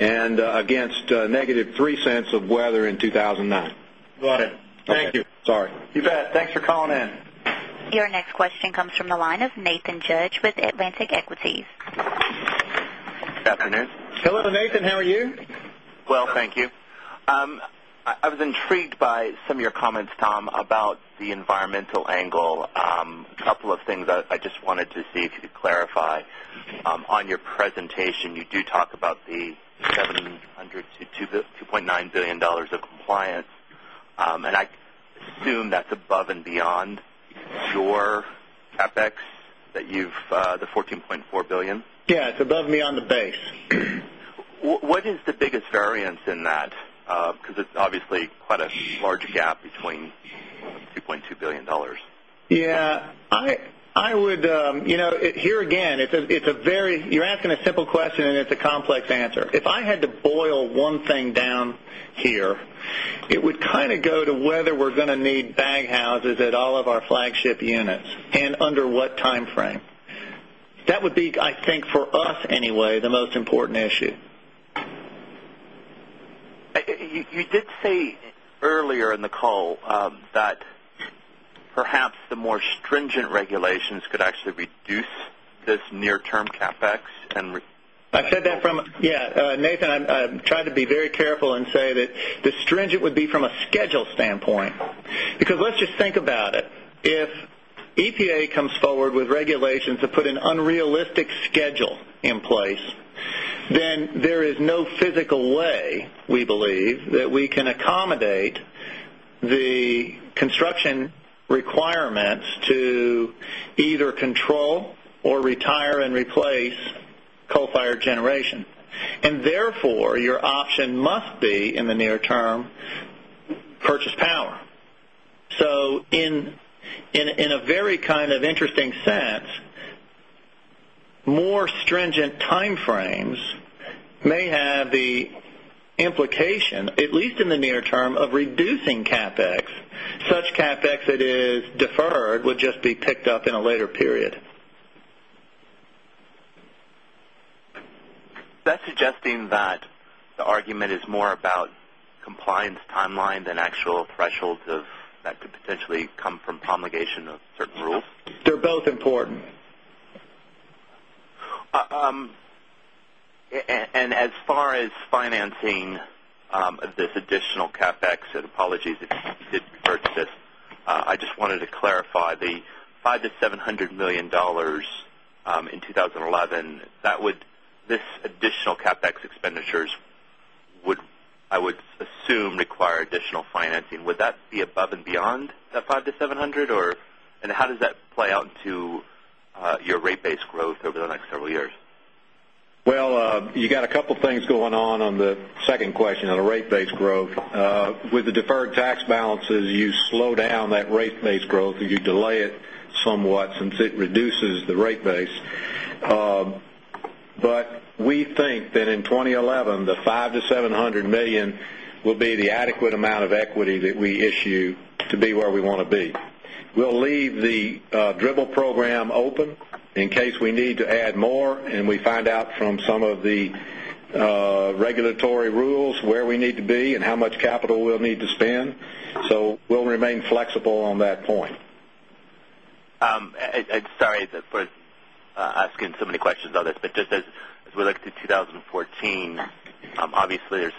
S2: and against negative 0 point 0 $3 of weather in 2,009.
S6: Got it. Thank you. Sorry.
S3: You bet. Thanks for calling in.
S1: Your next question comes from the line of Nathan Judge with Atlantic Equities.
S3: Good afternoon. Hello, Nathan. How are you?
S12: Well, thank you. I was intrigued by some of your comments, Tom, about the environmental angle. A couple of things I just wanted to see if you could clarify. On your presentation, you do talk about the $700,000,000 to $2,900,000,000 dollars of compliance. And I assume that's above and beyond your CapEx that you've the 14 $400,000,000
S3: Yes, it's above me on the base. What is the biggest variance in that, because it's obviously quite a large gap between $2,200,000,000 Yes. I would here again, it's a very you're asking a simple question and it's a complex answer. If I had to boil one thing down here, it would kind of go to whether we're
S12: more perhaps the more stringent regulations could actually reduce this near term CapEx and
S3: I said that from yes, Nathan, I'm trying to be very careful and say that the stringent would be from a schedule standpoint, because let's just think about it. If EPA comes forward with regulations to put an unrealistic schedule in place, then there is no physical way we believe that we can accommodate the construction requirements to either control or retire and replace coal fired generation. And therefore, your option must be in the near term purchase power. So in a very kind of interesting sense, more stringent timeframes may have the implication at least in the near term of reducing CapEx, such CapEx that is deferred would just be picked up in a later period.
S12: That's suggesting that the argument is more about compliance timeline than promulgation of certain rules?
S3: They're both important.
S12: And as far as financing this additional CapEx and apologies if you did refer to this, I just wanted to clarify the $500,000,000 to $700,000,000 in 20.11 this additional CapEx expenditures would, I would assume, require additional financing. Would that be above and beyond that $500,000,000 to $700,000,000 or and how does that play out to your rate base growth over the next several years?
S2: Well, you got a couple of things going on, on the second question on the rate base growth. With the deferred tax balances, you slow down that rate base growth. You delay it somewhat since it reduces the rate base. But we think that in 2011, the $500,000,000 to $700,000,000 will be the adequate amount of equity that we issue to be where we want to be. We'll leave
S5: the
S2: how much capital we'll need to spend. So we'll remain flexible on that point.
S12: Sorry for asking so many questions on this. Just as we look to 2014, obviously there's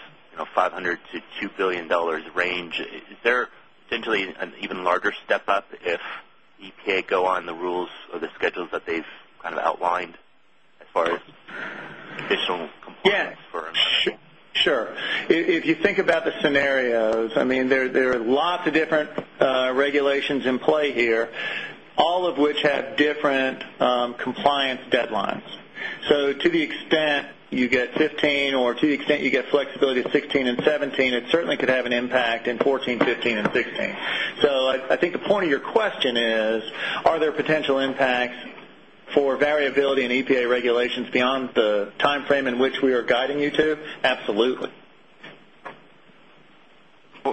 S12: $500,000,000 to $2,000,000,000 range. Is there potentially an even larger step up if EPA go on the rules or the schedules that they've kind of outlined as far as
S9: additional compliance?
S3: Sure. If you think about the scenarios, I mean, there are lots of different regulations in play here, all of which have different compliance deadlines. So to the extent you get 'fifteen or to the extent you get flexibility 'sixteen and 17% it certainly could have an impact in 2014, 2015 and 2016. So I think the point of your question is, are there potential impacts for variability in EPA regulations beyond the timeframe in which we are guiding you to? Absolutely.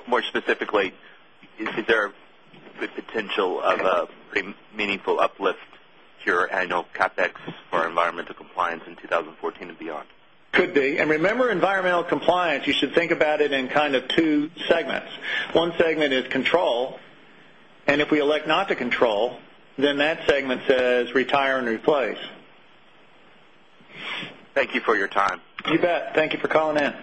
S12: More specifically, is there the potential of a pretty meaningful uplift to your annual CapEx for environmental compliance in 2014 beyond?
S3: Could be. And remember environmental compliance, you should think about it in kind of 2 segments. One segment is control and if we elect not to control then that segment says retire and replace.
S12: Thank you for your time.
S3: You bet. Thank you for calling in.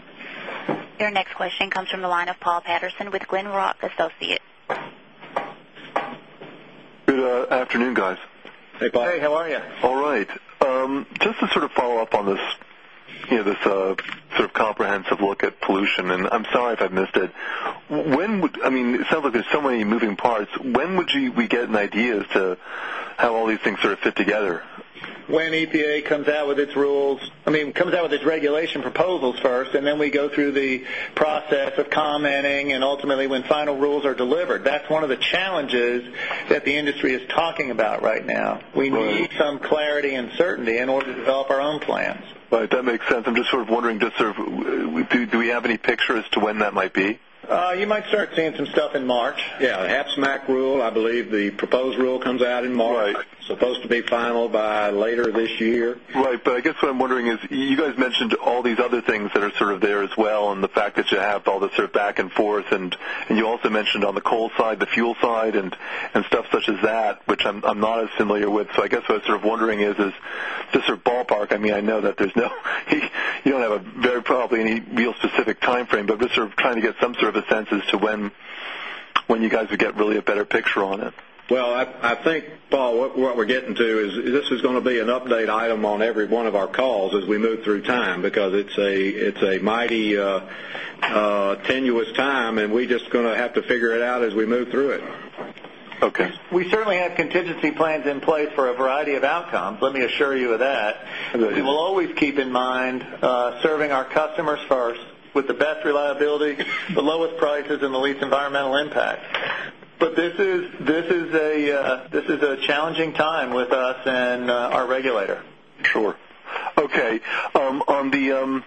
S1: Your next question comes from the line of Paul Patterson with Glenrock Associates.
S5: Good afternoon, guys.
S3: Hey, Paul. Hey, how are you?
S5: All right. Just to sort of follow-up this sort of comprehensive look at pollution and I'm sorry if I missed it. When would I mean, it sounds like there's so many moving parts. When would you get an idea as to how all these things sort of fit together?
S3: When EPA comes out with its rules, I mean, comes out with its regulation proposals first and then we go through the process of challenges that the industry is talking about right now. We need some clarity and certainty in order to develop our own plans.
S5: Right. That makes sense. I'm just sort of wondering just sort of do have any picture as to when that might be?
S3: You might start seeing some stuff in March.
S2: Yes, HAPSMAC rule, I believe the proposed rule comes out in March, supposed to be final by later this year.
S5: Right. But I guess what I'm wondering is you guys mentioned all these other things that are sort of there as well and the fact that you have all the sort of back and forth and you also mentioned on the coal side, the fuel side and stuff such as that, which I'm not as familiar with. So I guess what I was sort of wondering is, is this sort of ballpark, I mean, I know that there's no you don't have a very probably any real specific timeframe, but just sort of trying to get some sort of sense as to when you guys would get really a better picture on it.
S2: Well, I think Paul what we're getting to is this is going to be an update item on every one of our calls as we move through time because it's a mighty tenuous time and we're just going to have to figure it out as we move through it.
S5: Okay.
S3: We certainly have contingency plans in place for a variety of outcomes. Let me assure you of that. And we'll always keep in mind serving our customers first with the best reliability, the lowest prices and the least environmental impact. But this is a challenging time with us and our regulator.
S5: Sure. Okay. On the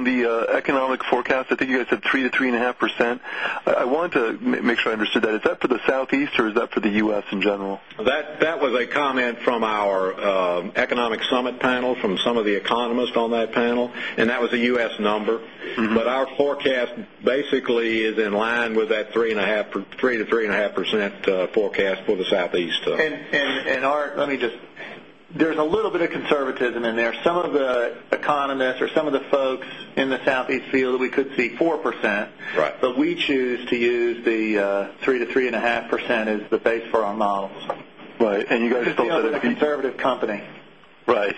S5: economic forecast, I think you guys said 3% to 3.5%. I want to make sure I understood that. Is that for the Southeast or is that for the U. S. In general?
S2: That was a comment from our Economic Summit panel from some of the economists on that panel and that was a U. S. Number. But our forecast basically is in line with that 3% to 3.5% forecast for the Southeast.
S3: And Art, let me just there's a little bit of conservatism in there. Some of the economists or some of the folks in the Southeast field we could see 4%. But we choose to use the 3% to 3.5% as the base for our models.
S5: Right. And you guys thought for the conservative company. Right.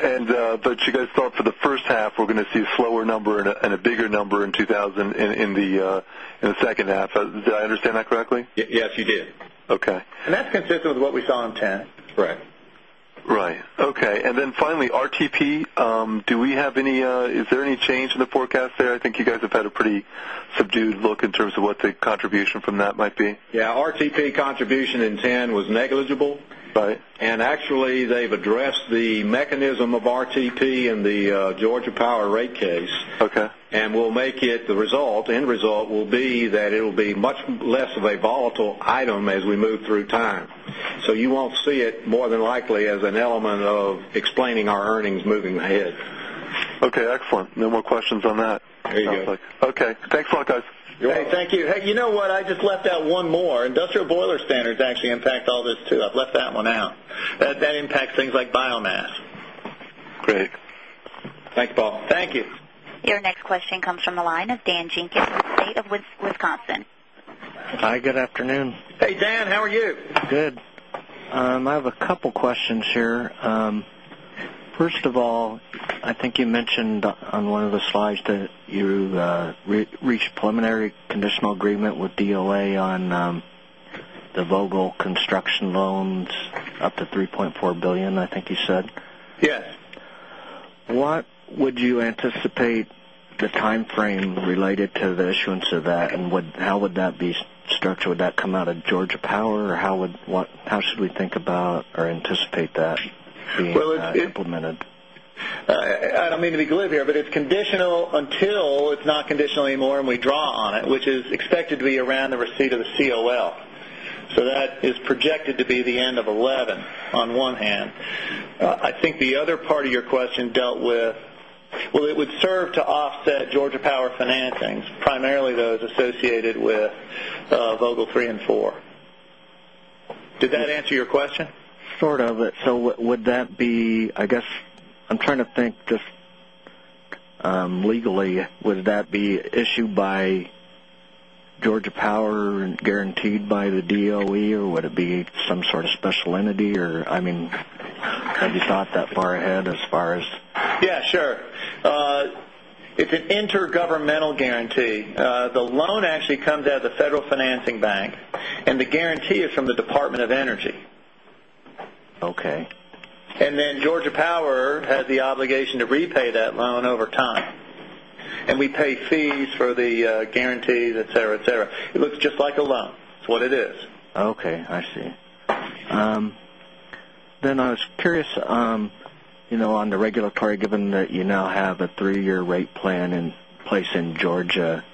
S5: And but you guys thought for the first half, we're going to see a slower number and a bigger number in 2,000 in the second half. Did I understand that correctly?
S6: Yes, you did. Okay.
S3: And that's consistent with what we saw in 'ten. Right.
S5: Right. Okay. And then finally, RTP, do we have any is there any change in the forecast there? I think you guys have had a pretty subdued look in terms of what the contribution from that might be?
S2: Yes. RTP contribution in TAN was negligible. And actually they've addressed the mechanism of RTP in the Georgia Power rate case.
S5: Okay.
S2: And we'll make it the result end result will be that it will be much less of a volatile item as we move through time. So you won't see it more than likely as an element of explaining our earnings moving ahead.
S5: Okay. Excellent. No more questions on that.
S13: There you go. Okay. Thanks a lot guys.
S5: Hey, a lot guys.
S3: Hey, thank you. Hey, you know what, I just left out one more. Industrial boiler standards actually impact all this too. I've left that one out. That impacts things like biomass.
S5: Great.
S6: Thanks, Paul. Thank you.
S1: Your next question comes from the line of Dan Jenkins with State of Wisconsin.
S13: Hi, good afternoon.
S3: Hey, Dan. How are you?
S13: Good. I have a couple of questions here. First of all, I think you mentioned on one of the slides that reached preliminary conditional agreement with DOA on the Vogtle construction loans up to $3,400,000,000 I think you said?
S3: Yes.
S13: What would you anticipate the timeframe related to the issuance of that? And how would that be structured? Would that come out of Georgia Power? Or how should we think about or anticipate that being implemented?
S3: I don't mean to be glib here, but it's conditional until it's not conditional anymore and we draw on it, which is expected to be around the receipt of the COL. So that is projected to be the end of 2011 on one hand. I think the other part of your question dealt with well, it would serve to offset Georgia Power Financings, primarily those associated with Vogtle 34. Did that answer your question?
S13: Sort of. So would that be I guess I'm trying to think just legally would that be issued by Georgia Power and guaranteed by the DOE or would it be some sort of special entity or I mean have you thought that far ahead as far as
S3: Yes, sure. It's an intergovernmental guarantee. The loan actually comes out of the Federal Financing Bank and the guarantee is from the Department of Energy.
S13: Okay.
S3: And then Georgia Power has the obligation to repay that loan over time. And we pay fees for the guarantees, etcetera, etcetera. It looks just like a loan. It's what it is.
S13: Okay. I see. Then I was curious on the regulatory given that you now have a 3 year rate plan in place in Georgia.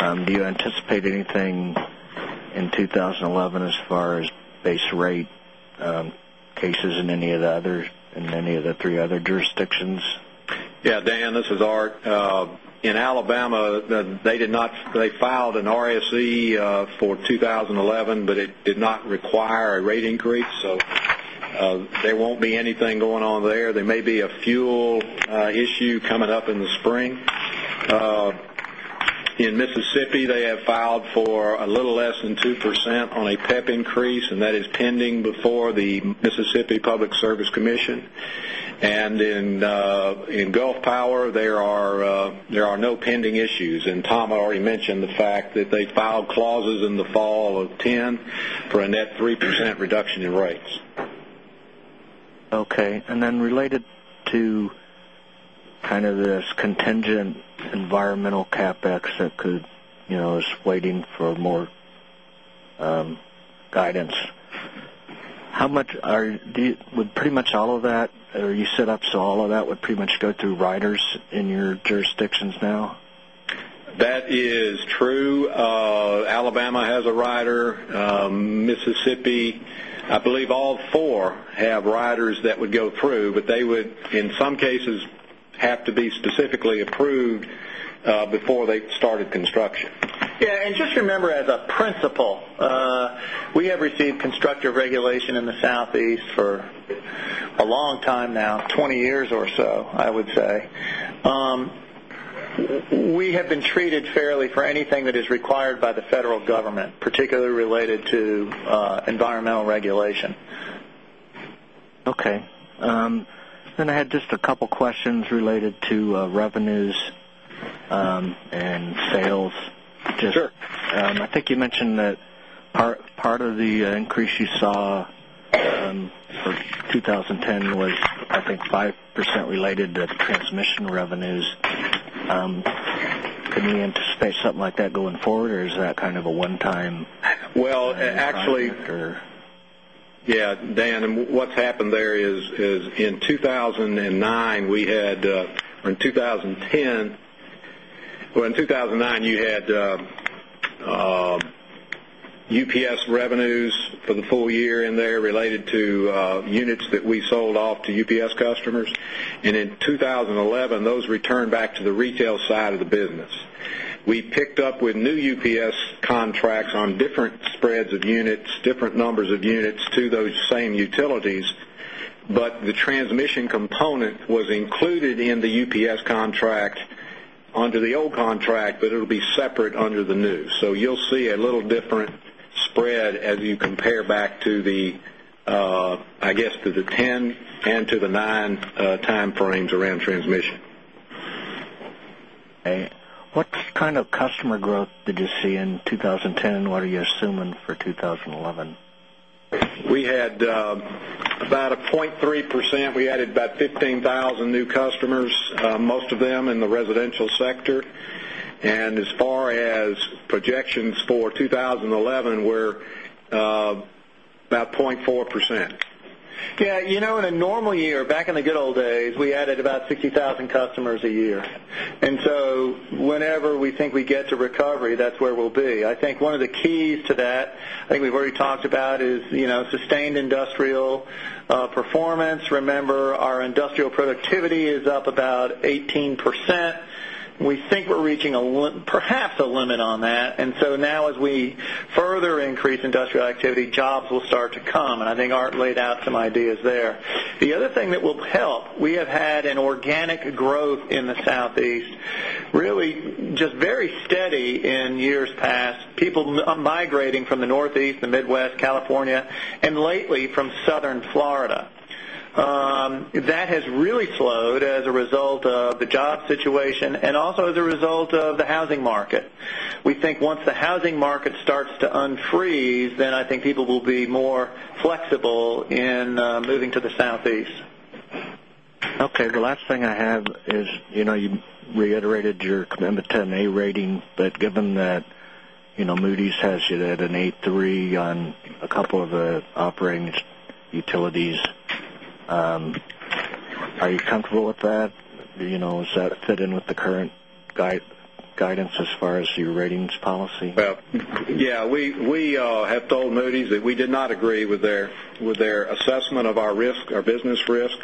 S13: Do you anticipate anything in 2011 as far as base rate cases in any of the other in any of the 3 other jurisdictions?
S2: Yes, Dan, this is Art. In Alabama, they did not they filed an RSC for 2011, but it did not require a rate increase. So there won't be anything going on there. There may be a fuel issue coming up in the spring. In Mississippi, they have filed for a little less than 2% on a PEP increase and that is pending before the Mississippi Public Service Commission. And in Gulf Power, there are no pending issues. And Tom already mentioned the fact that they filed clauses in the fall of 'ten for a net 3% reduction in rates. Okay.
S13: And then related to kind of this contingent environmental CapEx that could is waiting for more guidance. How much are would pretty much all of that are you set up so all of that would pretty much go through riders in your jurisdictions now?
S2: That is true. Alabama has a rider. Mississippi, I believe all four have riders that would go through, but they would in some cases have to be specifically approved before they started construction.
S3: Yes. And just remember as a principle, we have received constructive regulation in the Southeast for a long time now 20 years or so I would say. We have been treated fairly for anything that is required by the federal government, particularly related to environmental regulation.
S13: Okay. And I had just a couple of questions related to revenues and sales. Sure. I think you mentioned that part of the increase you saw for 2010 was I think 5% related to transmission revenues. Can you anticipate something like that going forward? Or is that kind of a one time?
S2: Well, actually yes, Dan, what's happened there is in 2,009, we had in 2010 well, in 2,009 you had UPS revenues for the full year and they're related to units that we sold off to UPS customers. And in 2011 those returned back to the retail side of the business. We picked up with new UPS contracts on different spreads of units, different numbers of units to those same utilities. But the transmission component was included in the UPS contract under the old contract, but it will be separate under the new. So you'll see a little different spread as you compare back to the I guess to the 10 and to the 9 timeframes around transmission.
S13: Okay. What kind of customer growth did you see in 2010? And what are you assuming for 2011?
S2: We had about a 0 point 3%. We added about 15,000 new customers, most of them in the residential sector. And as far as projections for 2011, we're about 0.4%.
S3: Yes. In a normal year, back in the good old days, we added about 60,000 customers a year. And so whenever we think we get to recovery that's where we'll be. I think one of the keys to that I think we've already talked about is sustained industrial performance. Remember our industrial productivity is up about 18%. We think we're reaching perhaps a limit on that. And so now as we further increase industrial activity jobs will start to come and I think Art laid out some ideas there. The other thing that will help, we have had an organic growth in the Southeast really just very steady in years past. People migrating from the Northeast, the Midwest, California and lately from Southern Florida. That has really slowed as a result of the job situation and also as a result of the housing market. We think once the housing market starts to unfreeze then I think people will be more flexible in moving to the Southeast.
S13: Okay. The last thing I have is you reiterated your commitment to an A rating, but given that Moody's has you at an A3 on a couple of the operating utilities, utilities. Are you comfortable with that? Does that fit in with the current guidance assessment
S2: of our risk, our business risk. And that's the one thing that we assessment of our risk, our business risk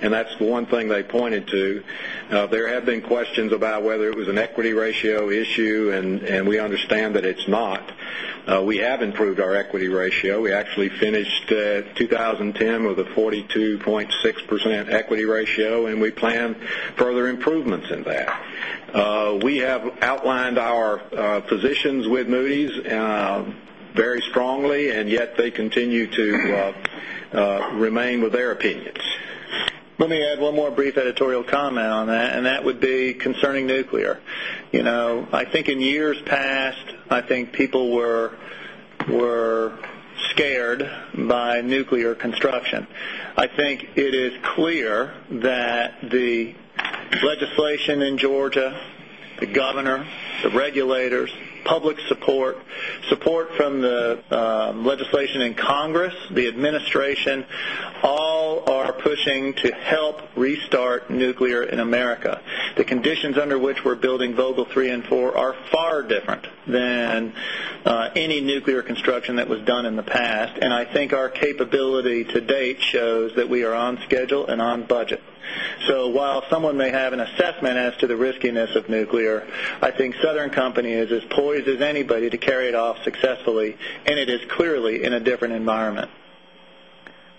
S2: and that's the one thing they pointed to. There have been questions about whether it was an equity ratio issue and we understand that it's not. We have improved our equity ratio. We actually finished 2010 with a 42.6% equity ratio and we plan further improvements in that. We have outlined our positions with Moody's very strongly and yet they continue to remain with their opinions. Let me add one
S3: more brief editorial on that and that would be concerning nuclear. I think in years past, I think people were scared by nuclear construction. I think it is clear that
S11: the
S3: the administration all are pushing to help restart nuclear in America. The conditions under which we're building Vogtle 3 and 4 are far different than any nuclear construction that was done in the past. And I think our capability to date shows that we are on schedule and on budget. So while someone may have an assessment as to the riskiness of in this of nuclear, I think Southern Company is as poised as anybody to carry it off successfully and it is clearly in a different environment.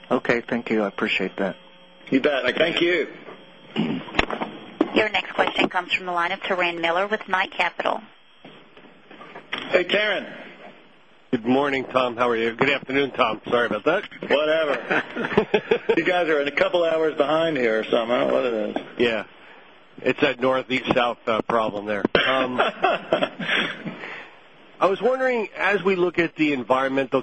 S3: Okay. Thank
S1: Your next question comes from the line of
S3: Capital. Hey, Karen. Good morning, Tom.
S6: How are you? Good afternoon, Tom. Sorry about that. Whatever. You guys are
S3: in a couple of hours of hours behind here or something.
S6: Yes. It's that northeast south problem there. I was wondering as we look at the environment the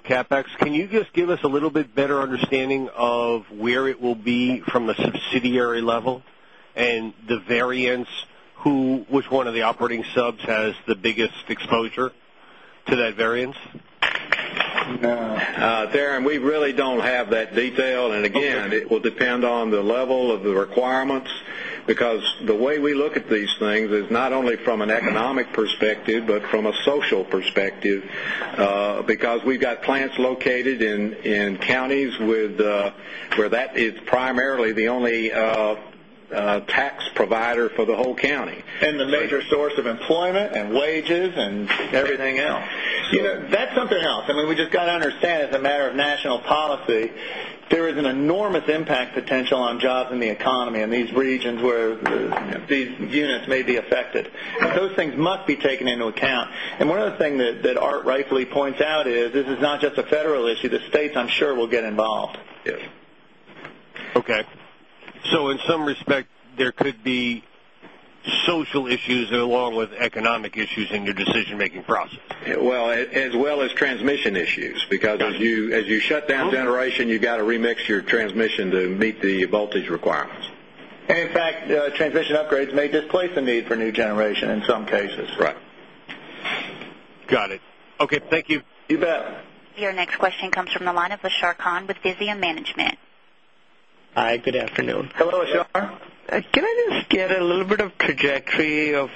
S2: Darren, we really don't have that detail. And again, it will depend on the level of the requirements, because the way we look at these things is not only from an economic perspective, but from a social perspective because we've got plants located in counties with where that is primarily the only tax provider for the whole county.
S3: And the major source of employment and wages and national policy, there is an enormous impact potential on jobs in the economy in these regions where these units may be affected. Those things must be taken into account. And one of the thing that Art rightfully points out is, this is not just a federal issue. The states, I'm sure, will get involved.
S6: Okay. So in some Yes. Okay.
S8: So in some respect, there could be social
S6: issues along with economic issues in your decision making process?
S2: Well, as well as transmission issues, because as you shut down generation, you got to remix your transmission to meet the voltage requirements.
S3: And in fact, transmission upgrades may displace the need for new generation in some cases. Right.
S6: Got it. Okay. Thank you. You bet.
S1: Your next question comes from the line of Ashar Khan with Visium Management.
S11: Hi, good afternoon. Hello, Ashar. Can I just get a little bit of trajectory of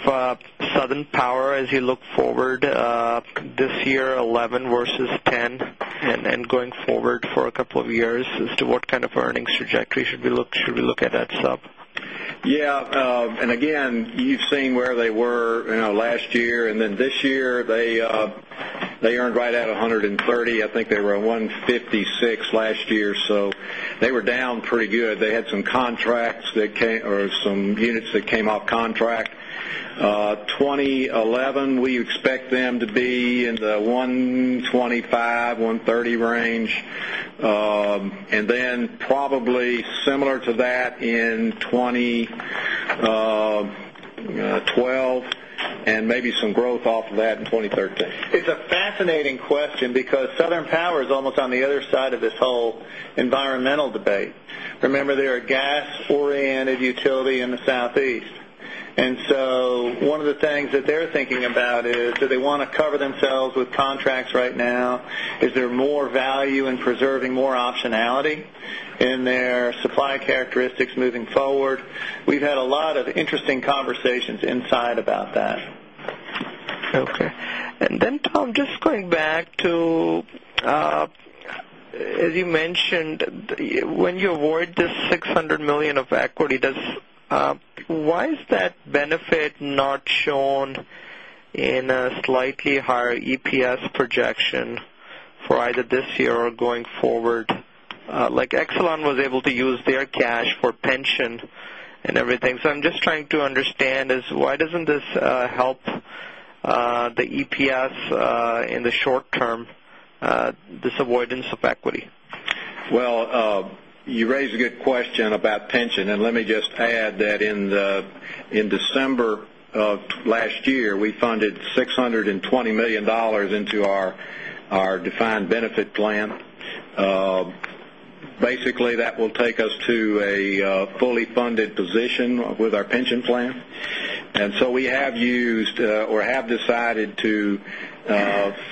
S11: Southern Power as you look forward this year, 11 versus 10 and going forward for a couple of years as to what kind
S12: of earnings trajectory should we look at that sub?
S2: Yes. And again, you've seen where they were last year. And then this year, they earned right at 130. I think they were at 156 last year. So they were down pretty good. They had some contracts that came or some units that came off contract. 20 11, we expect them to be in the $125,000,000 $130,000,000 range. And then probably similar to that in 2012 and maybe some growth off of that in 2013?
S3: It's a fascinating question because Southern Power is almost on the other side of this whole environmental debate. Remember they are gas oriented utility in the Southeast. And so one of the things that they're thinking about is do they want to cover themselves with contracts right now? Is there more value in preserving more optionality in their supply characteristics moving forward? We've had a lot of interesting conversations inside about that. Okay. And then,
S11: when you avoid the $600,000,000 of equity, does why is that benefit not shown in a slightly higher EPS projection for either this year or going forward? Like Exelon was able to use their cash for pension and everything. So I'm just trying to understand is why doesn't this help the EPS in the short term, this avoidance of equity?
S2: Well, you raised a good question about pension. And let me just add that in December of last year, we funded $620,000,000 into our defined benefit plan. Basically that will take us to a fully funded position with our pension plan. And so we have used or have decided to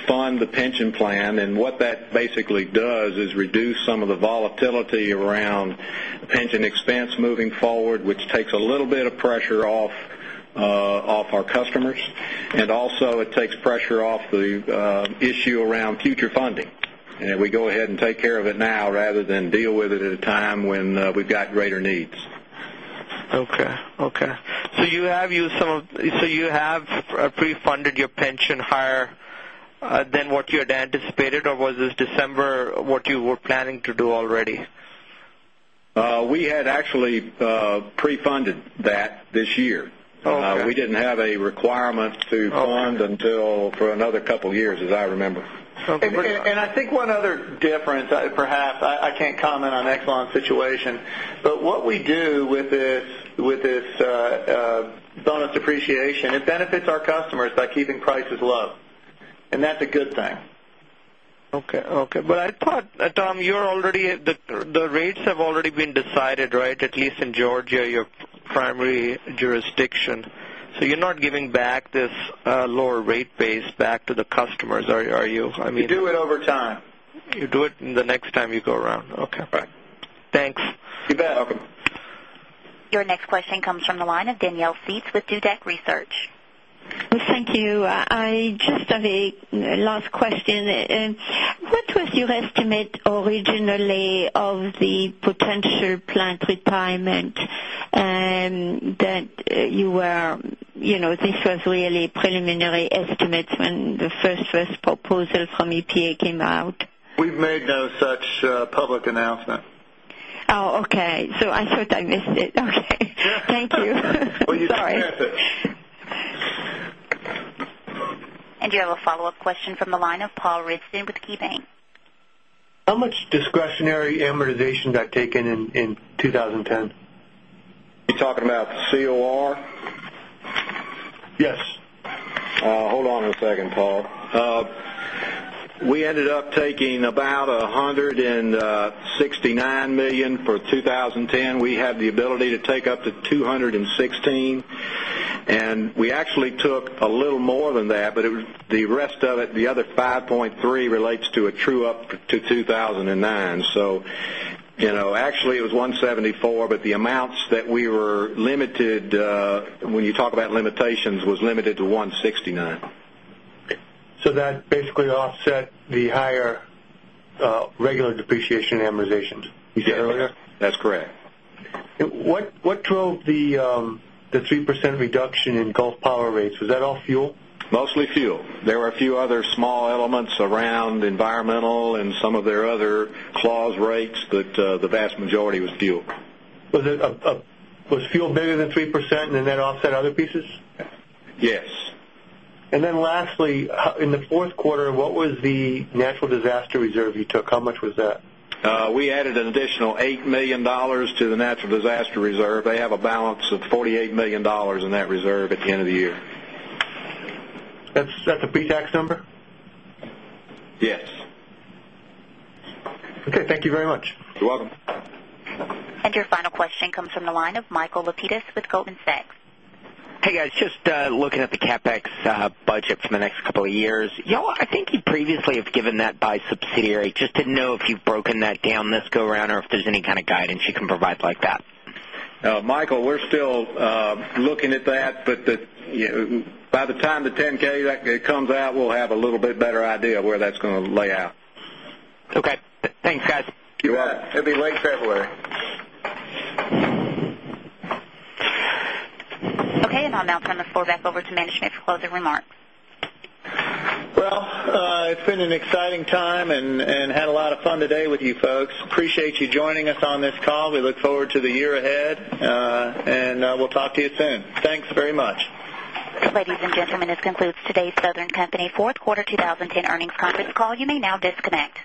S2: fund the pension plan. And what that basically does is reduce some of the volatility around pension expense moving forward, which takes a little bit of pressure off our customers. And also it takes pressure off the issue around future funding. And we go ahead and take care of it now rather than deal with it at a time when we've got greater needs.
S11: Okay. Okay. So you have used some of so you have pre funded your pension higher than what you had anticipated? Or was this December what you were planning to do already?
S2: We had actually pre funded that this year. We didn't have a requirement to fund until for another couple of years as I remember.
S3: And I think one other difference perhaps I can't comment on Exelon situation, but what we do with this bonus depreciation, it benefits our customers by keeping prices low and that's a good thing.
S11: Okay. Okay. But I thought Tom you're already the rates have already been decided right at least in Georgia your primary
S12: go around. Okay.
S10: All right.
S11: Thanks.
S6: You bet. Welcome.
S1: Your next question comes from the line of Danielle Seats with Dudek Research.
S14: Thank you. I just have a last question. What was your estimate originally of the potential plant potential plant retirement that you were this was really preliminary estimates when the first proposal from EPA came out?
S3: We've made no such public announcement.
S14: Okay. So I thought I missed it. Okay. Thank you.
S1: And you have a follow-up question from the line of Paul Ridzon with KeyBanc.
S8: How much discretionary amortization that taken in 2010?
S2: You're talking about COR? Yes. Hold on a second, Paul. We ended up taking about 169 10. We have the ability to take up to $216,000,000 and we actually took a little more than that, but the rest of it the other $5,300,000 relates to a true up to 2,009. So actually it was $174,000,000 but the amounts that we were limited when you talk about limitations was limited to $169,000,000
S8: So basically offset the higher regular depreciation and amortization. That's correct. What drove the 3% reduction in Gulf Power rates? Was that all fuel? Mostly fuel.
S2: There were a few other small elements around environmental and some of their other clause rates, but the vast majority was fuel.
S8: Was fuel bigger than 3% and then that offset other pieces? Yes. And then lastly, in the quarter, what was the natural disaster reserve you took? How much was that?
S2: We added an additional $8,000,000 to the natural disaster reserve. They have a balance of $48,000,000 in that reserve at the end of the year.
S8: That's a pre tax number?
S6: Yes.
S2: Yes. Okay. Thank you very much.
S5: You're welcome.
S1: And your final question comes from the line of Michael Lapides with Goldman Sachs.
S4: Hey, guys. Just looking at the CapEx budget for the next couple of years. I think you previously have given that by subsidiary. Just to know if you've broken that down this go around or if there's any kind of
S2: 10 ks comes out, we'll have a little bit better idea where that's going to lay out.
S4: Okay. Thanks guys.
S3: You bet. It'll be late February.
S1: Okay. And I'll now turn the floor back over to management for closing remarks.
S3: Well, it's been an exciting time and had a lot of fun today with you folks. Appreciate you joining us on this call. We look forward to the year ahead and we'll talk to you soon. Thanks very much.
S1: Ladies and gentlemen, this concludes today's Southern Company 4th Quarter 2010 Earnings Conference Call. You may now disconnect.